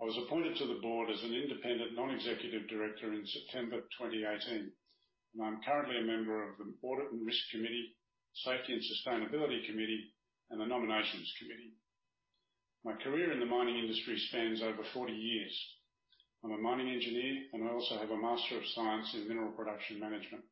I was appointed to the board as an Independent Non-Executive Director in September 2018. I'm currently a member of the Audit and Risk Committee, Safety and Sustainability Committee, and the Nominations Committee. My career in the mining industry spans over 40 years. I'm a mining engineer, and I also have a Master of Science in Mineral Production Management.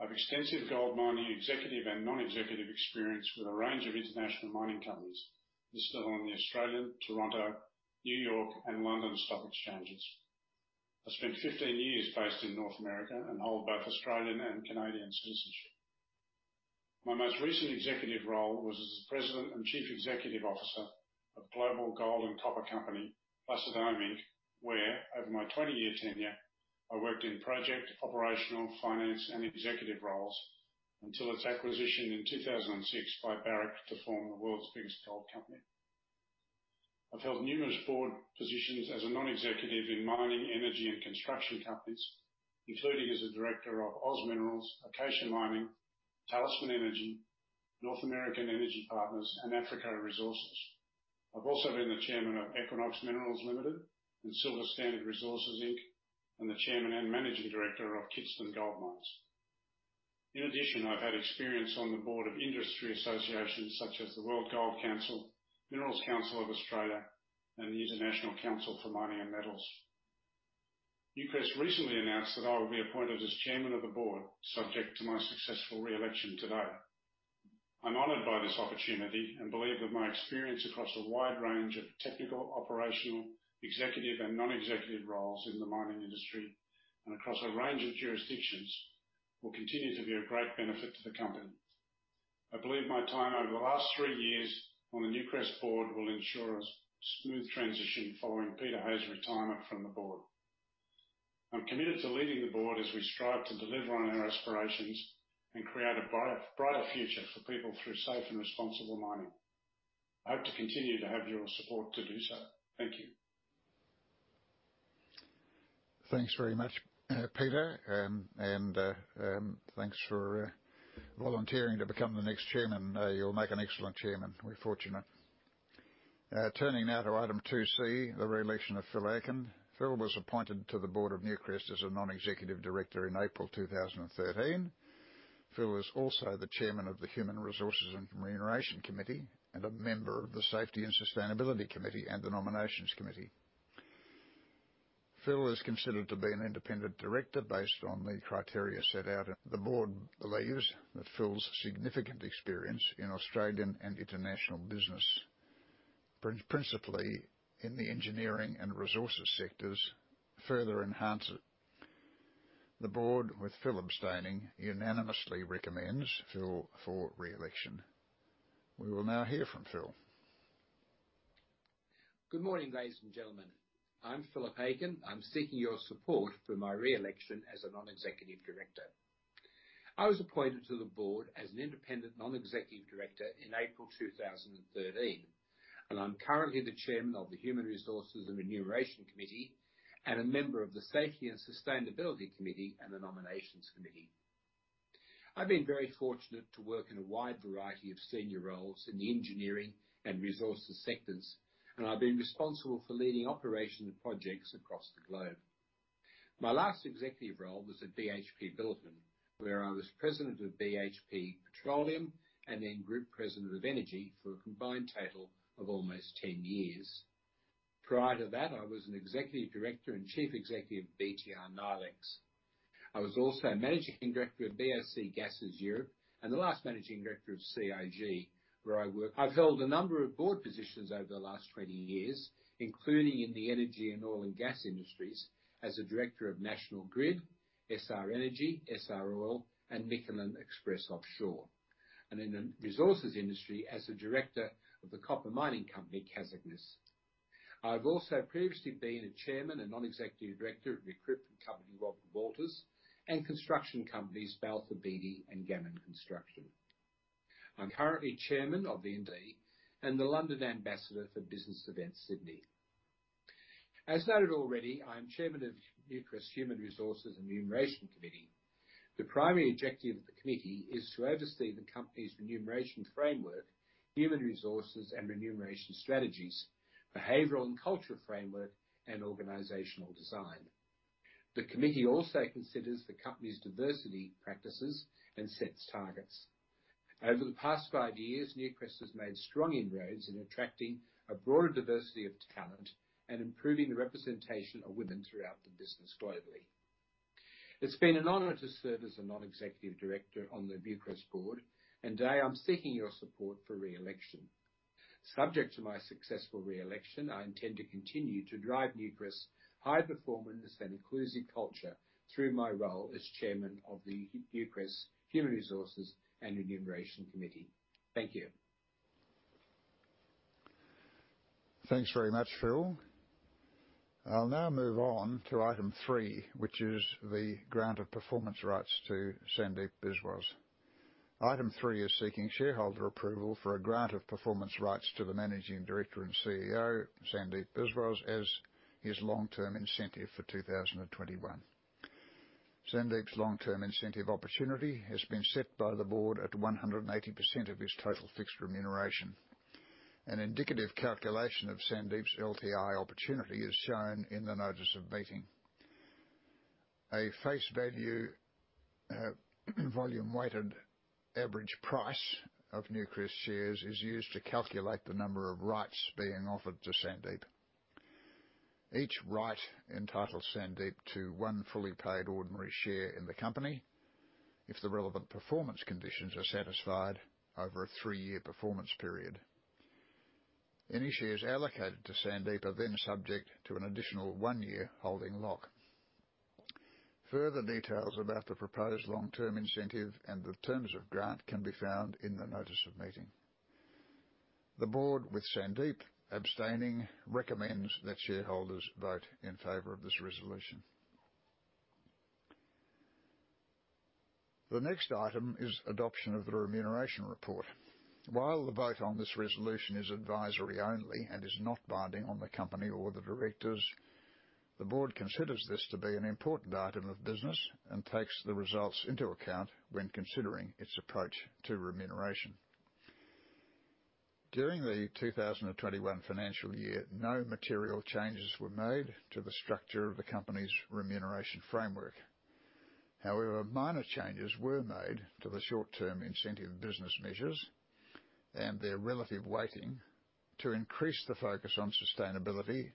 I have extensive gold mining executive and non-executive experience with a range of international mining companies listed on the Australian, Toronto, New York, and London stock exchanges. I spent 15 years based in North America and hold both Australian and Canadian citizenship. My most recent executive role was as President and Chief Executive Officer of global gold and copper company, Placer Dome Inc., where over my 20-year tenure, I worked in project, operational, finance and executive roles until its acquisition in 2006 by Barrick to form the world's biggest gold company. I've held numerous board positions as a non-executive in mining, energy and construction companies, including as a Director of OZ Minerals, Acacia Mining, Talisman Energy, North American Energy Partners, and Africa Resources. I've also been the Chairman of Equinox Minerals Limited and Silver Standard Resources Inc., and the Chairman and Managing Director of Kidston Gold Mines. In addition, I've had experience on the board of industry associations such as the World Gold Council, Minerals Council of Australia, and the International Council on Mining and Metals. Newcrest recently announced that I will be appointed as Chairman of the Board, subject to my successful re-election today. I'm honored by this opportunity and believe that my experience across a wide range of technical, operational, executive, and non-executive roles in the mining industry and across a range of jurisdictions will continue to be of great benefit to the company. I believe my time over the last three years on the Newcrest board will ensure a smooth transition following Peter Hay's retirement from the board. I'm committed to leading the board as we strive to deliver on our aspirations and create a brighter future for people through safe and responsible mining. I hope to continue to have your support to do so. Thank you. Thanks very much, Peter, and thanks for volunteering to become the next Chairman. You'll make an excellent Chairman. We're fortunate. Turning now to item 2C, the re-election of Philip Aiken. Philip was appointed to the board of Newcrest as a Non-Executive Director in April 2013. Philip is also the Chairman of the Human Resources and Remuneration Committee and a member of the Safety and Sustainability Committee and the Nominations Committee. Philip is considered to be an Independent Director based on the criteria set out. The board believes that Philip's significant experience in Australian and international business, principally in the engineering and resources sectors, further enhances the board. The board, with Philip abstaining, unanimously recommends Philip for re-election. We will now hear from Philip. Good morning, ladies and gentlemen. I'm Philip Aiken. I'm seeking your support for my re-election as a Non-Executive Director. I was appointed to the board as an independent Non-Executive Director in April 2013, and I'm currently the Chairman of the Human Resources and Remuneration Committee and a member of the Safety and Sustainability Committee and the Nominations Committee. I've been very fortunate to work in a wide variety of senior roles in the engineering and resources sectors, and I've been responsible for leading operations and projects across the globe. My last executive role was at BHP Billiton, where I was President of BHP Petroleum and then Group President of Energy for a combined total of almost 10 years. Prior to that, I was an Executive Director and Chief Executive of BTR Nylex. I was also Managing Director of BOC Gases Europe and the last Managing Director of CIG, where I work. I've held a number of board positions over the last 20 years, including in the energy and oil and gas industries as a Director of National Grid, Essar Energy, Essar Oil and Miclyn Express Offshore, and in the resources industry as a Director of the copper mining company, Kazakhmys. I've also previously been a Chairman and Non-Executive Director of recruitment company Robert Walters and construction companies Balfour Beatty and Gammon Construction. I'm currently Chairman of the ND and the London Ambassador for Business Events Sydney. As noted already, I am Chairman of Newcrest's Human Resources and Remuneration Committee. The primary objective of the committee is to oversee the company's remuneration framework, human resources and remuneration strategies, behavioral and cultural framework, and organizational design. The committee also considers the company's diversity practices and sets targets. Over the past five years, Newcrest has made strong inroads in attracting a broader diversity of talent and improving the representation of women throughout the business globally. It's been an honor to serve as a Non-Executive Director on the Newcrest board, and today I'm seeking your support for re-election. Subject to my successful re-election, I intend to continue to drive Newcrest's high performance and inclusive culture through my role as Chairman of the Newcrest Human Resources and Remuneration Committee. Thank you. Thanks very much, Phil. I'll now move on to item three, which is the grant of performance rights to Sandeep Biswas. Item three is seeking shareholder approval for a grant of performance rights to the Managing Director and CEO, Sandeep Biswas, as his long-term incentive for 2021. Sandeep's long-term incentive opportunity has been set by the board at 180% of his total fixed remuneration. An indicative calculation of Sandeep's LTI opportunity is shown in the notice of meeting. A face value, volume-weighted average price of Newcrest shares is used to calculate the number of rights being offered to Sandeep. Each right entitles Sandeep to one fully paid ordinary share in the company if the relevant performance conditions are satisfied over a three-year performance period. Any shares allocated to Sandeep are then subject to an additional one-year holding lock. Further details about the proposed long-term incentive and the terms of grant can be found in the notice of meeting. The Board, with Sandeep abstaining, recommends that shareholders vote in favor of this resolution. The next item is adoption of the Remuneration Report. While the vote on this resolution is advisory only and is not binding on the company or the Directors, the Board considers this to be an important item of business and takes the results into account when considering its approach to remuneration. During the 2021 financial year, no material changes were made to the structure of the company's remuneration framework. However, minor changes were made to the short-term incentive business measures and their relative weighting to increase the focus on sustainability,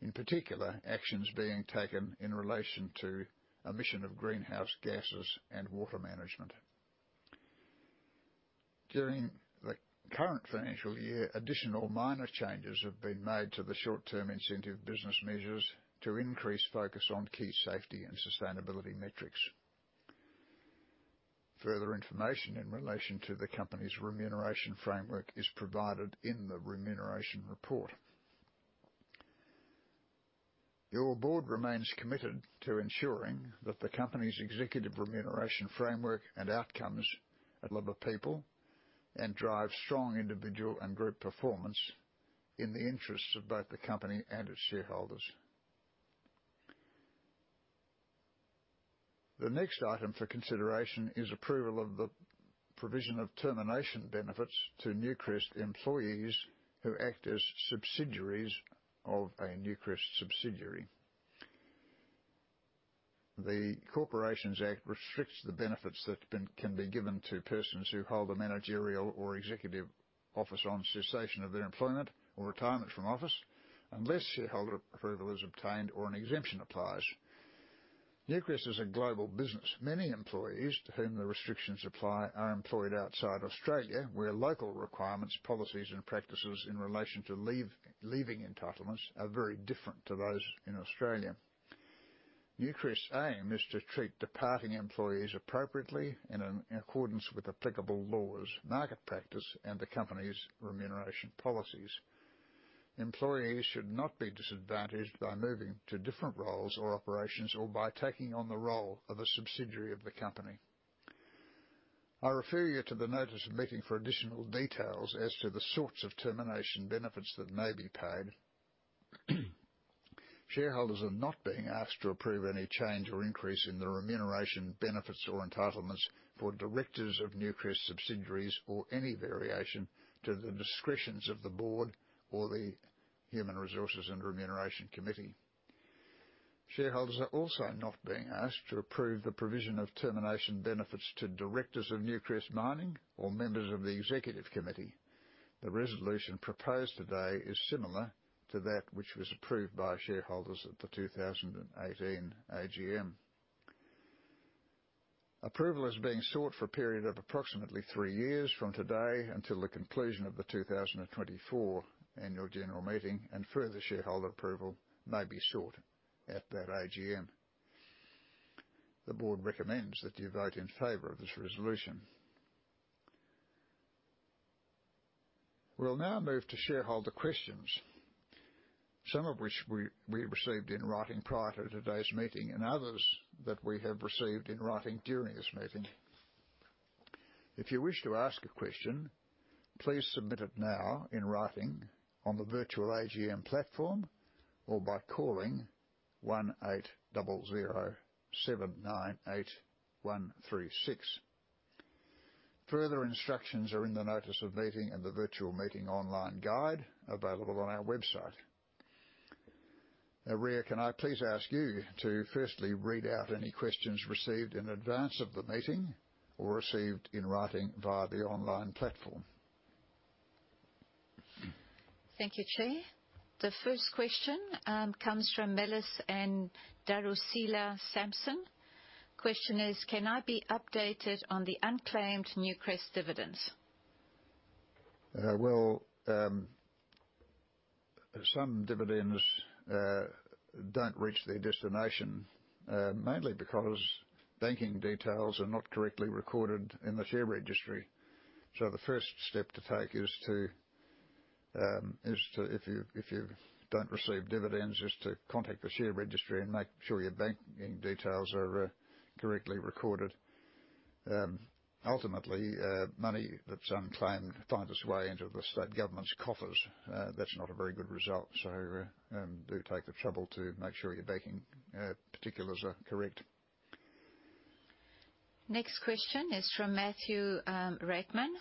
in particular, actions being taken in relation to emissions of greenhouse gases and water management. During the current financial year, additional minor changes have been made to the short-term incentive business measures to increase focus on key safety and sustainability metrics. Further information in relation to the company's remuneration framework is provided in the Remuneration Report. Your Board remains committed to ensuring that the company's executive remuneration framework and outcomes motivate the people and drive strong individual and group performance in the interests of both the company and its shareholders. The next item for consideration is approval of the provision of termination benefits to Newcrest employees who act as Directors of subsidiaries of a Newcrest subsidiary. The Corporations Act restricts the benefits that can be given to persons who hold a managerial or executive office on cessation of their employment or retirement from office, unless shareholder approval is obtained or an exemption applies. Newcrest is a global business. Many employees to whom the restrictions apply are employed outside Australia, where local requirements, policies and practices in relation to leave, leaving entitlements are very different to those in Australia. Newcrest's aim is to treat departing employees appropriately and in accordance with applicable laws, market practice and the company's remuneration policies. Employees should not be disadvantaged by moving to different roles or operations or by taking on the role of a subsidiary of the company. I refer you to the notice of meeting for additional details as to the sorts of termination benefits that may be paid. Shareholders are not being asked to approve any change or increase in the remuneration, benefits or entitlements for Directors of Newcrest subsidiaries or any variation to the discretions of the board or the Human Resources and Remuneration Committee. Shareholders are also not being asked to approve the provision of termination benefits to Directors of Newcrest Mining or members of the Executive Committee. The resolution proposed today is similar to that which was approved by shareholders at the 2018 AGM. Approval is being sought for a period of approximately three years from today until the conclusion of the 2024 Annual General Meeting, and further shareholder approval may be sought at that AGM. The Board recommends that you vote in favor of this resolution. We'll now move to shareholder questions, some of which we received in writing prior to today's meeting and others that we have received in writing during this meeting. If you wish to ask a question, please submit it now in writing on the virtual AGM platform or by calling 1800 798 136. Further instructions are in the notice of meeting and the virtual meeting online guide available on our website. Now, Ria, can I please ask you to firstly read out any questions received in advance of the meeting or received in writing via the online platform? Thank you, Chair. The first question comes from Melis and Darusila Samson. Question is, "Can I be updated on the unclaimed Newcrest dividends? Well, some dividends don't reach their destination, mainly because banking details are not correctly recorded in the share registry. The first step to take is, if you don't receive dividends, to contact the share registry and make sure your banking details are correctly recorded. Ultimately, money that's unclaimed finds its way into the state government's coffers. That's not a very good result. Do take the trouble to make sure your banking particulars are correct. Next question is from Matthew Rackman.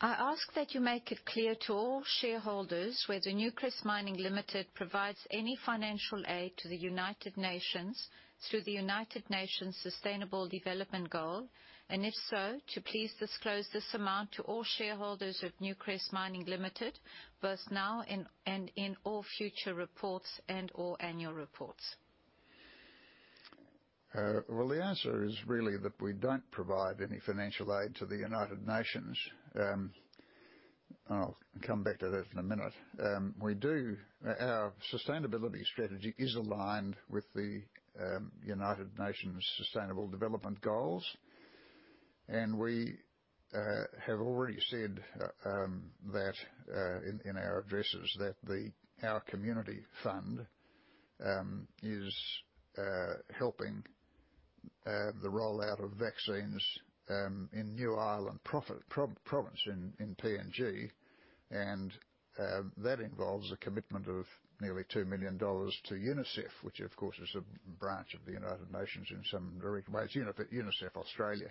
"I ask that you make it clear to all shareholders whether Newcrest Mining Limited provides any financial aid to the United Nations through the United Nations Sustainable Development Goal, and if so, to please disclose this amount to all shareholders of Newcrest Mining Limited, both now and in all future reports and all annual reports. Well, the answer is really that we don't provide any financial aid to the United Nations. I'll come back to that in a minute. Our sustainability strategy is aligned with the United Nations Sustainable Development Goals, and we have already said that in our addresses that our community fund is helping the rollout of vaccines in New Ireland province in PNG. That involves a commitment of nearly $2 million to UNICEF, which of course is a branch of the United Nations in some ways,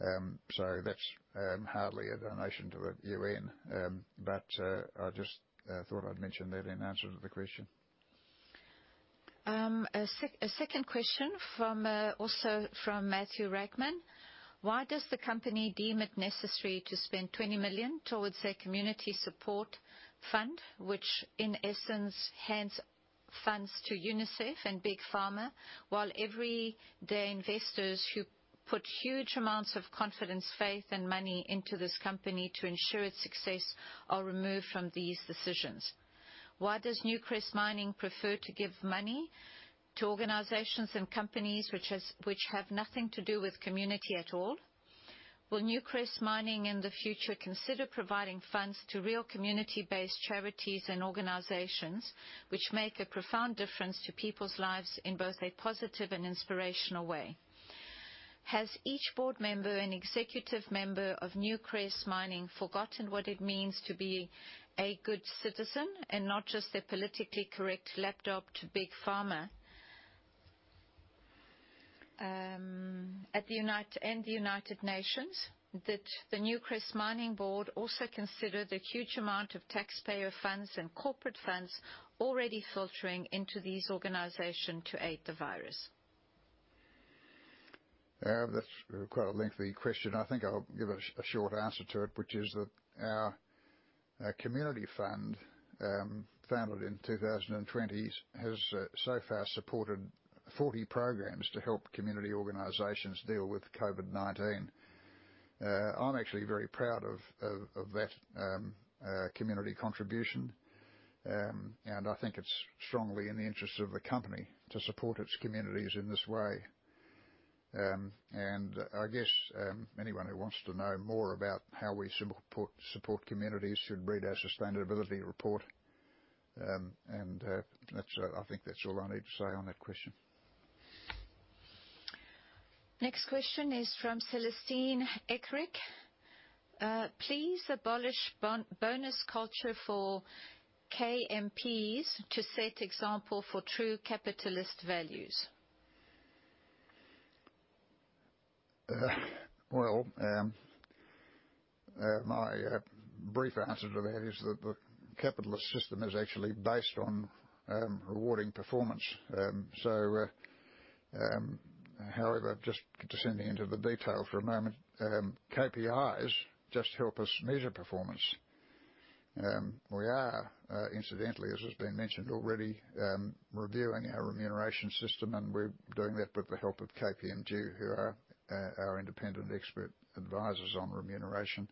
UNICEF Australia. That's hardly a donation to the UN. I just thought I'd mention that in answer to the question. A second question from also from Matthew Rackman. "Why does the company deem it necessary to spend $20 million towards their community support fund, which in essence hands funds to UNICEF and Big Pharma, while everyday investors who put huge amounts of confidence, faith and money into this company to ensure its success are removed from these decisions? Why does Newcrest Mining prefer to give money to organizations and companies which have nothing to do with community at all? Will Newcrest Mining in the future, consider providing funds to real community-based charities and organizations which make a profound difference to people's lives in both a positive and inspirational way? Has each board member and executive member of Newcrest Mining forgotten what it means to be a good citizen and not just a politically correct lapdog to Big Pharma at the United Nations? Did the Newcrest Mining board also consider the huge amount of taxpayer funds and corporate funds already filtering into these organization to aid the virus? That's quite a lengthy question. I think I'll give a short answer to it, which is that our community fund, founded in 2020, has so far supported 40 programs to help community organizations deal with COVID-19. I'm actually very proud of that community contribution. I think it's strongly in the interest of the company to support its communities in this way. I guess anyone who wants to know more about how we support communities should read our sustainability report. I think that's all I need to say on that question. Next question is from Celestine Eckrick. Please abolish bonus culture for KMPs to set example for true capitalist values. Well, my brief answer to that is that the capitalist system is actually based on rewarding performance. However, just delving into the detail for a moment, KPIs just help us measure performance. We are, incidentally, as has been mentioned already, reviewing our remuneration system, and we're doing that with the help of KPMG, who are our independent expert advisors on remuneration.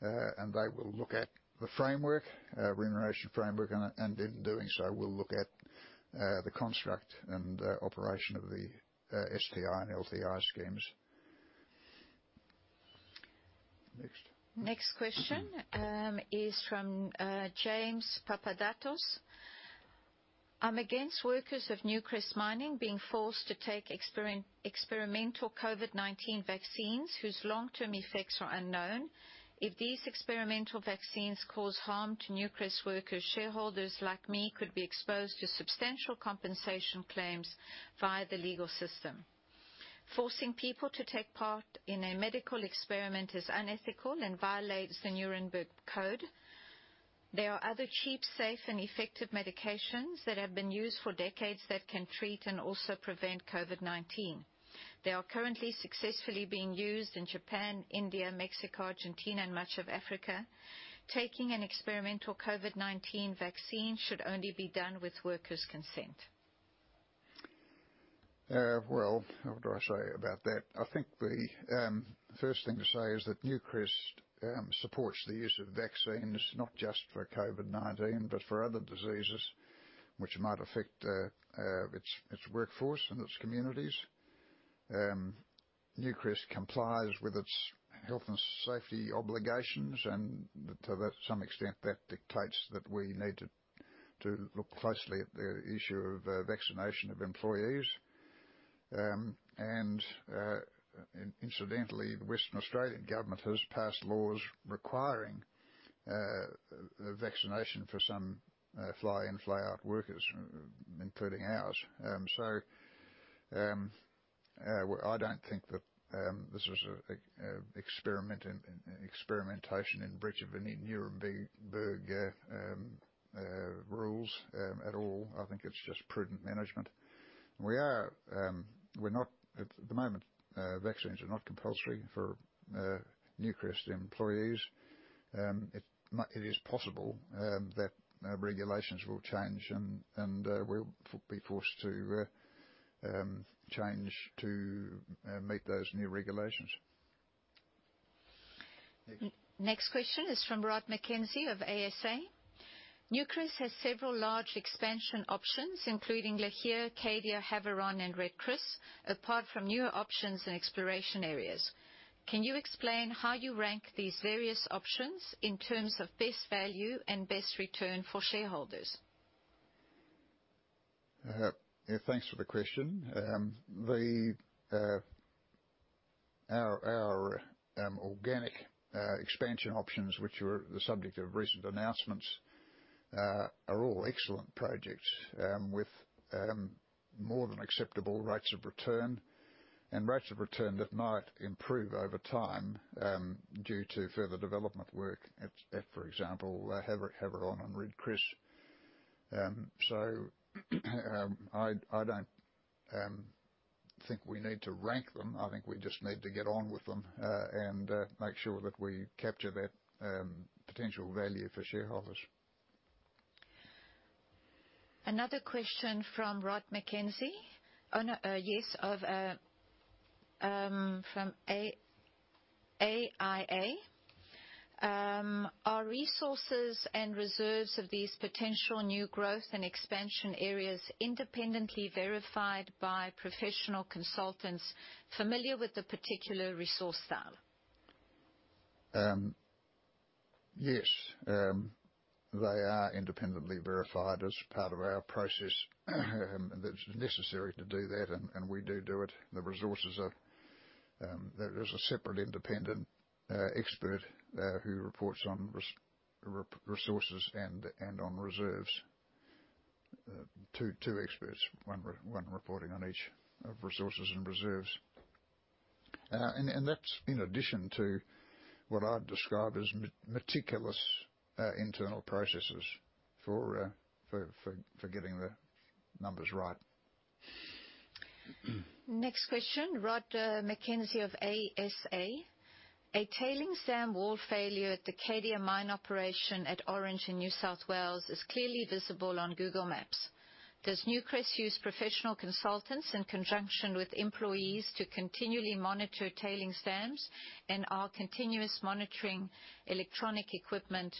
They will look at the framework, remuneration framework, and in doing so, we'll look at the construct and operation of the STI and LTI schemes. Next. Next question is from James Papadatos. I'm against workers of Newcrest Mining being forced to take experimental COVID-19 vaccines whose long-term effects are unknown. If these experimental vaccines cause harm to Newcrest workers, shareholders like me could be exposed to substantial compensation claims via the legal system. Forcing people to take part in a medical experiment is unethical and violates the Nuremberg Code. There are other cheap, safe, and effective medications that have been used for decades that can treat and also prevent COVID-19. They are currently successfully being used in Japan, India, Mexico, Argentina, and much of Africa. Taking an experimental COVID-19 vaccine should only be done with workers' consent. Well, what do I say about that? I think the first thing to say is that Newcrest supports the use of vaccines, not just for COVID-19, but for other diseases which might affect its workforce and its communities. Newcrest complies with its health and safety obligations, and to that extent, that dictates that we need to look closely at the issue of vaccination of employees. Incidentally, the Western Australian Government has passed laws requiring vaccination for some fly-in, fly-out workers, including ours. Well, I don't think that this is an experimentation in breach of any Nuremberg rules at all. I think it's just prudent management. At the moment, vaccines are not compulsory for Newcrest employees. It is possible that regulations will change, and we'll be forced to change to meet those new regulations. Next question is from Rod McKenzie of ASA. Newcrest has several large expansion options, including Lihir, Cadia, Havieron, and Red Chris, apart from newer options and exploration areas. Can you explain how you rank these various options in terms of best value and best return for shareholders? Thanks for the question. Our organic expansion options, which were the subject of recent announcements, are all excellent projects with more than acceptable rates of return and rates of return that might improve over time due to further development work at, for example, Havieron and Red Chris. I don't think we need to rank them. I think we just need to get on with them and make sure that we capture that potential value for shareholders. Another question from Rod McKenzie from AIA. Are resources and reserves of these potential new growth and expansion areas independently verified by professional consultants familiar with the particular resource style? Yes. They are independently verified as part of our process. That's necessary to do that, and we do it. There is a separate independent expert who reports on resources and on reserves. Two experts, one reporting on each of resources and reserves. That's in addition to what I'd describe as meticulous internal processes for getting the numbers right. Next question, Rod McKenzie of ASA. A tailings dam wall failure at the Cadia mine operation at Orange in New South Wales is clearly visible on Google Maps. Does Newcrest use professional consultants in conjunction with employees to continually monitor tailings dams, and are continuous monitoring electronic equipment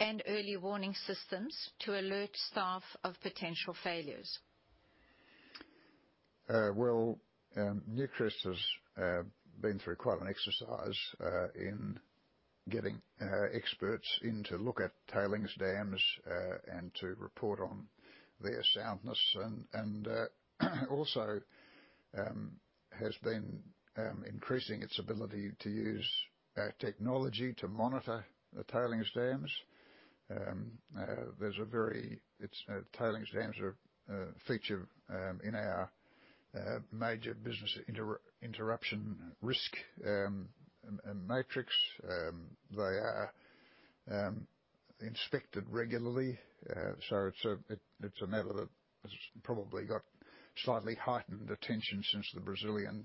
and early warning systems to alert staff of potential failures? Well, Newcrest has been through quite an exercise in getting experts in to look at tailings dams and to report on their soundness and also has been increasing its ability to use technology to monitor the tailings dams. It's tailings dams are a feature in our major business interruption risk matrix. They are inspected regularly. It's a matter that has probably got slightly heightened attention since the Brazilian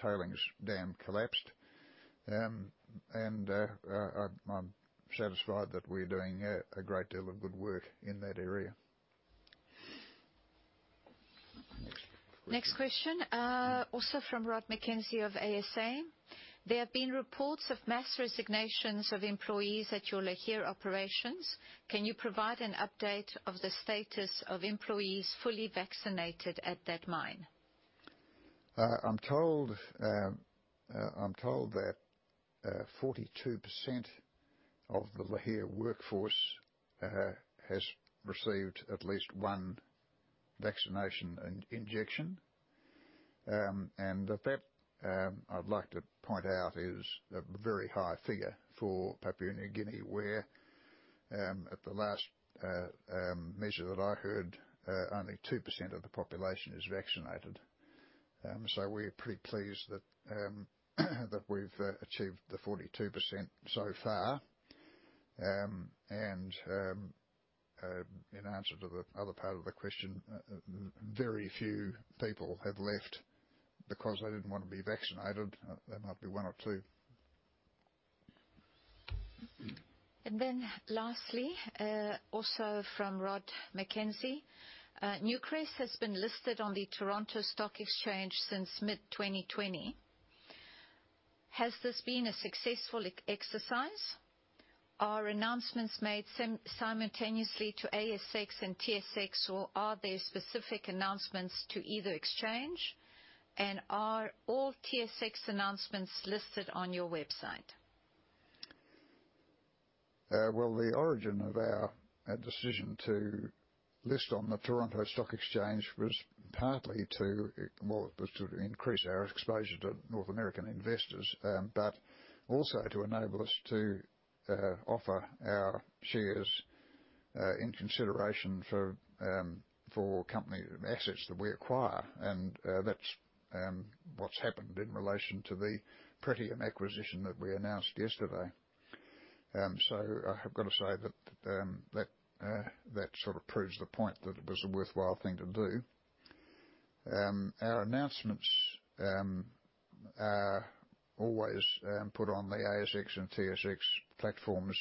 tailings dam collapsed. I am satisfied that we're doing a great deal of good work in that area. Next question, also from Rod McKenzie of ASA. There have been reports of mass resignations of employees at your Lihir operations. Can you provide an update of the status of employees fully vaccinated at that mine? I'm told that 42% of the Lihir workforce has received at least one vaccination injection. That, I'd like to point out, is a very high figure for Papua New Guinea, where, at the last measure that I heard, only 2% of the population is vaccinated. We're pretty pleased that we've achieved the 42% so far. In answer to the other part of the question, very few people have left because they didn't wanna be vaccinated. There might be one or two. Lastly, also from Rod McKenzie. Newcrest has been listed on the Toronto Stock Exchange since mid-2020. Has this been a successful exercise? Are announcements made simultaneously to ASX and TSX, or are there specific announcements to either exchange? Are all TSX announcements listed on your website? Well, the origin of our decision to list on the Toronto Stock Exchange was partly to increase our exposure to North American investors, but also to enable us to offer our shares in consideration for company assets that we acquire. That's what's happened in relation to the Pretium acquisition that we announced yesterday. I have got to say that sort of proves the point that it was a worthwhile thing to do. Our announcements are always put on the ASX and TSX platforms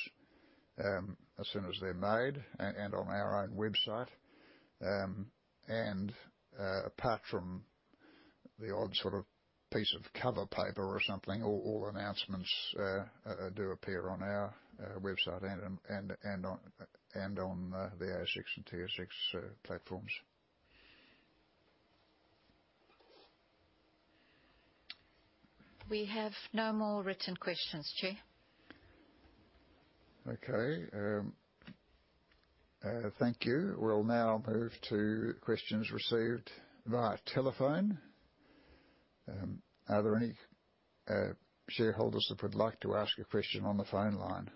as soon as they're made and on our own website. Apart from the odd sort of piece of cover paper or something, all announcements do appear on our website and on the ASX and TSX platforms. We have no more written questions, Chair. Okay. Thank you. We'll now move to questions received via telephone. Are there any shareholders that would like to ask a question on the phone line?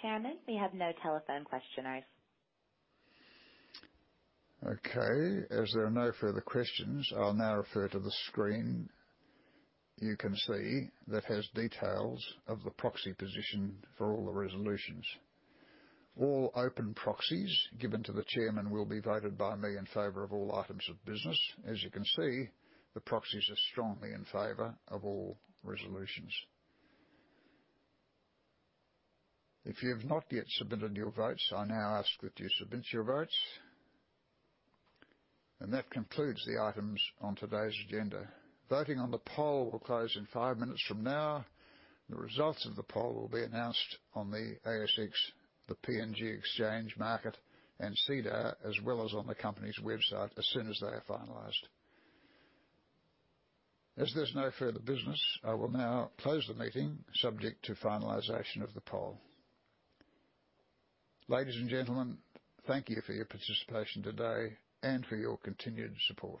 Chairman, we have no telephone questioners. Okay. As there are no further questions, I'll now refer to the screen. You can see that has details of the proxy position for all the resolutions. All open proxies given to the Chairman will be voted by me in favor of all items of business. As you can see, the proxies are strongly in favor of all resolutions. If you've not yet submitted your votes, I now ask that you submit your votes. That concludes the items on today's agenda. Voting on the poll will close in five minutes from now. The results of the poll will be announced on the ASX, the PNG Exchange Market and SEDAR, as well as on the company's website as soon as they are finalized. As there's no further business, I will now close the meeting, subject to finalization of the poll. Ladies and gentlemen, thank you for your participation today and for your continued support.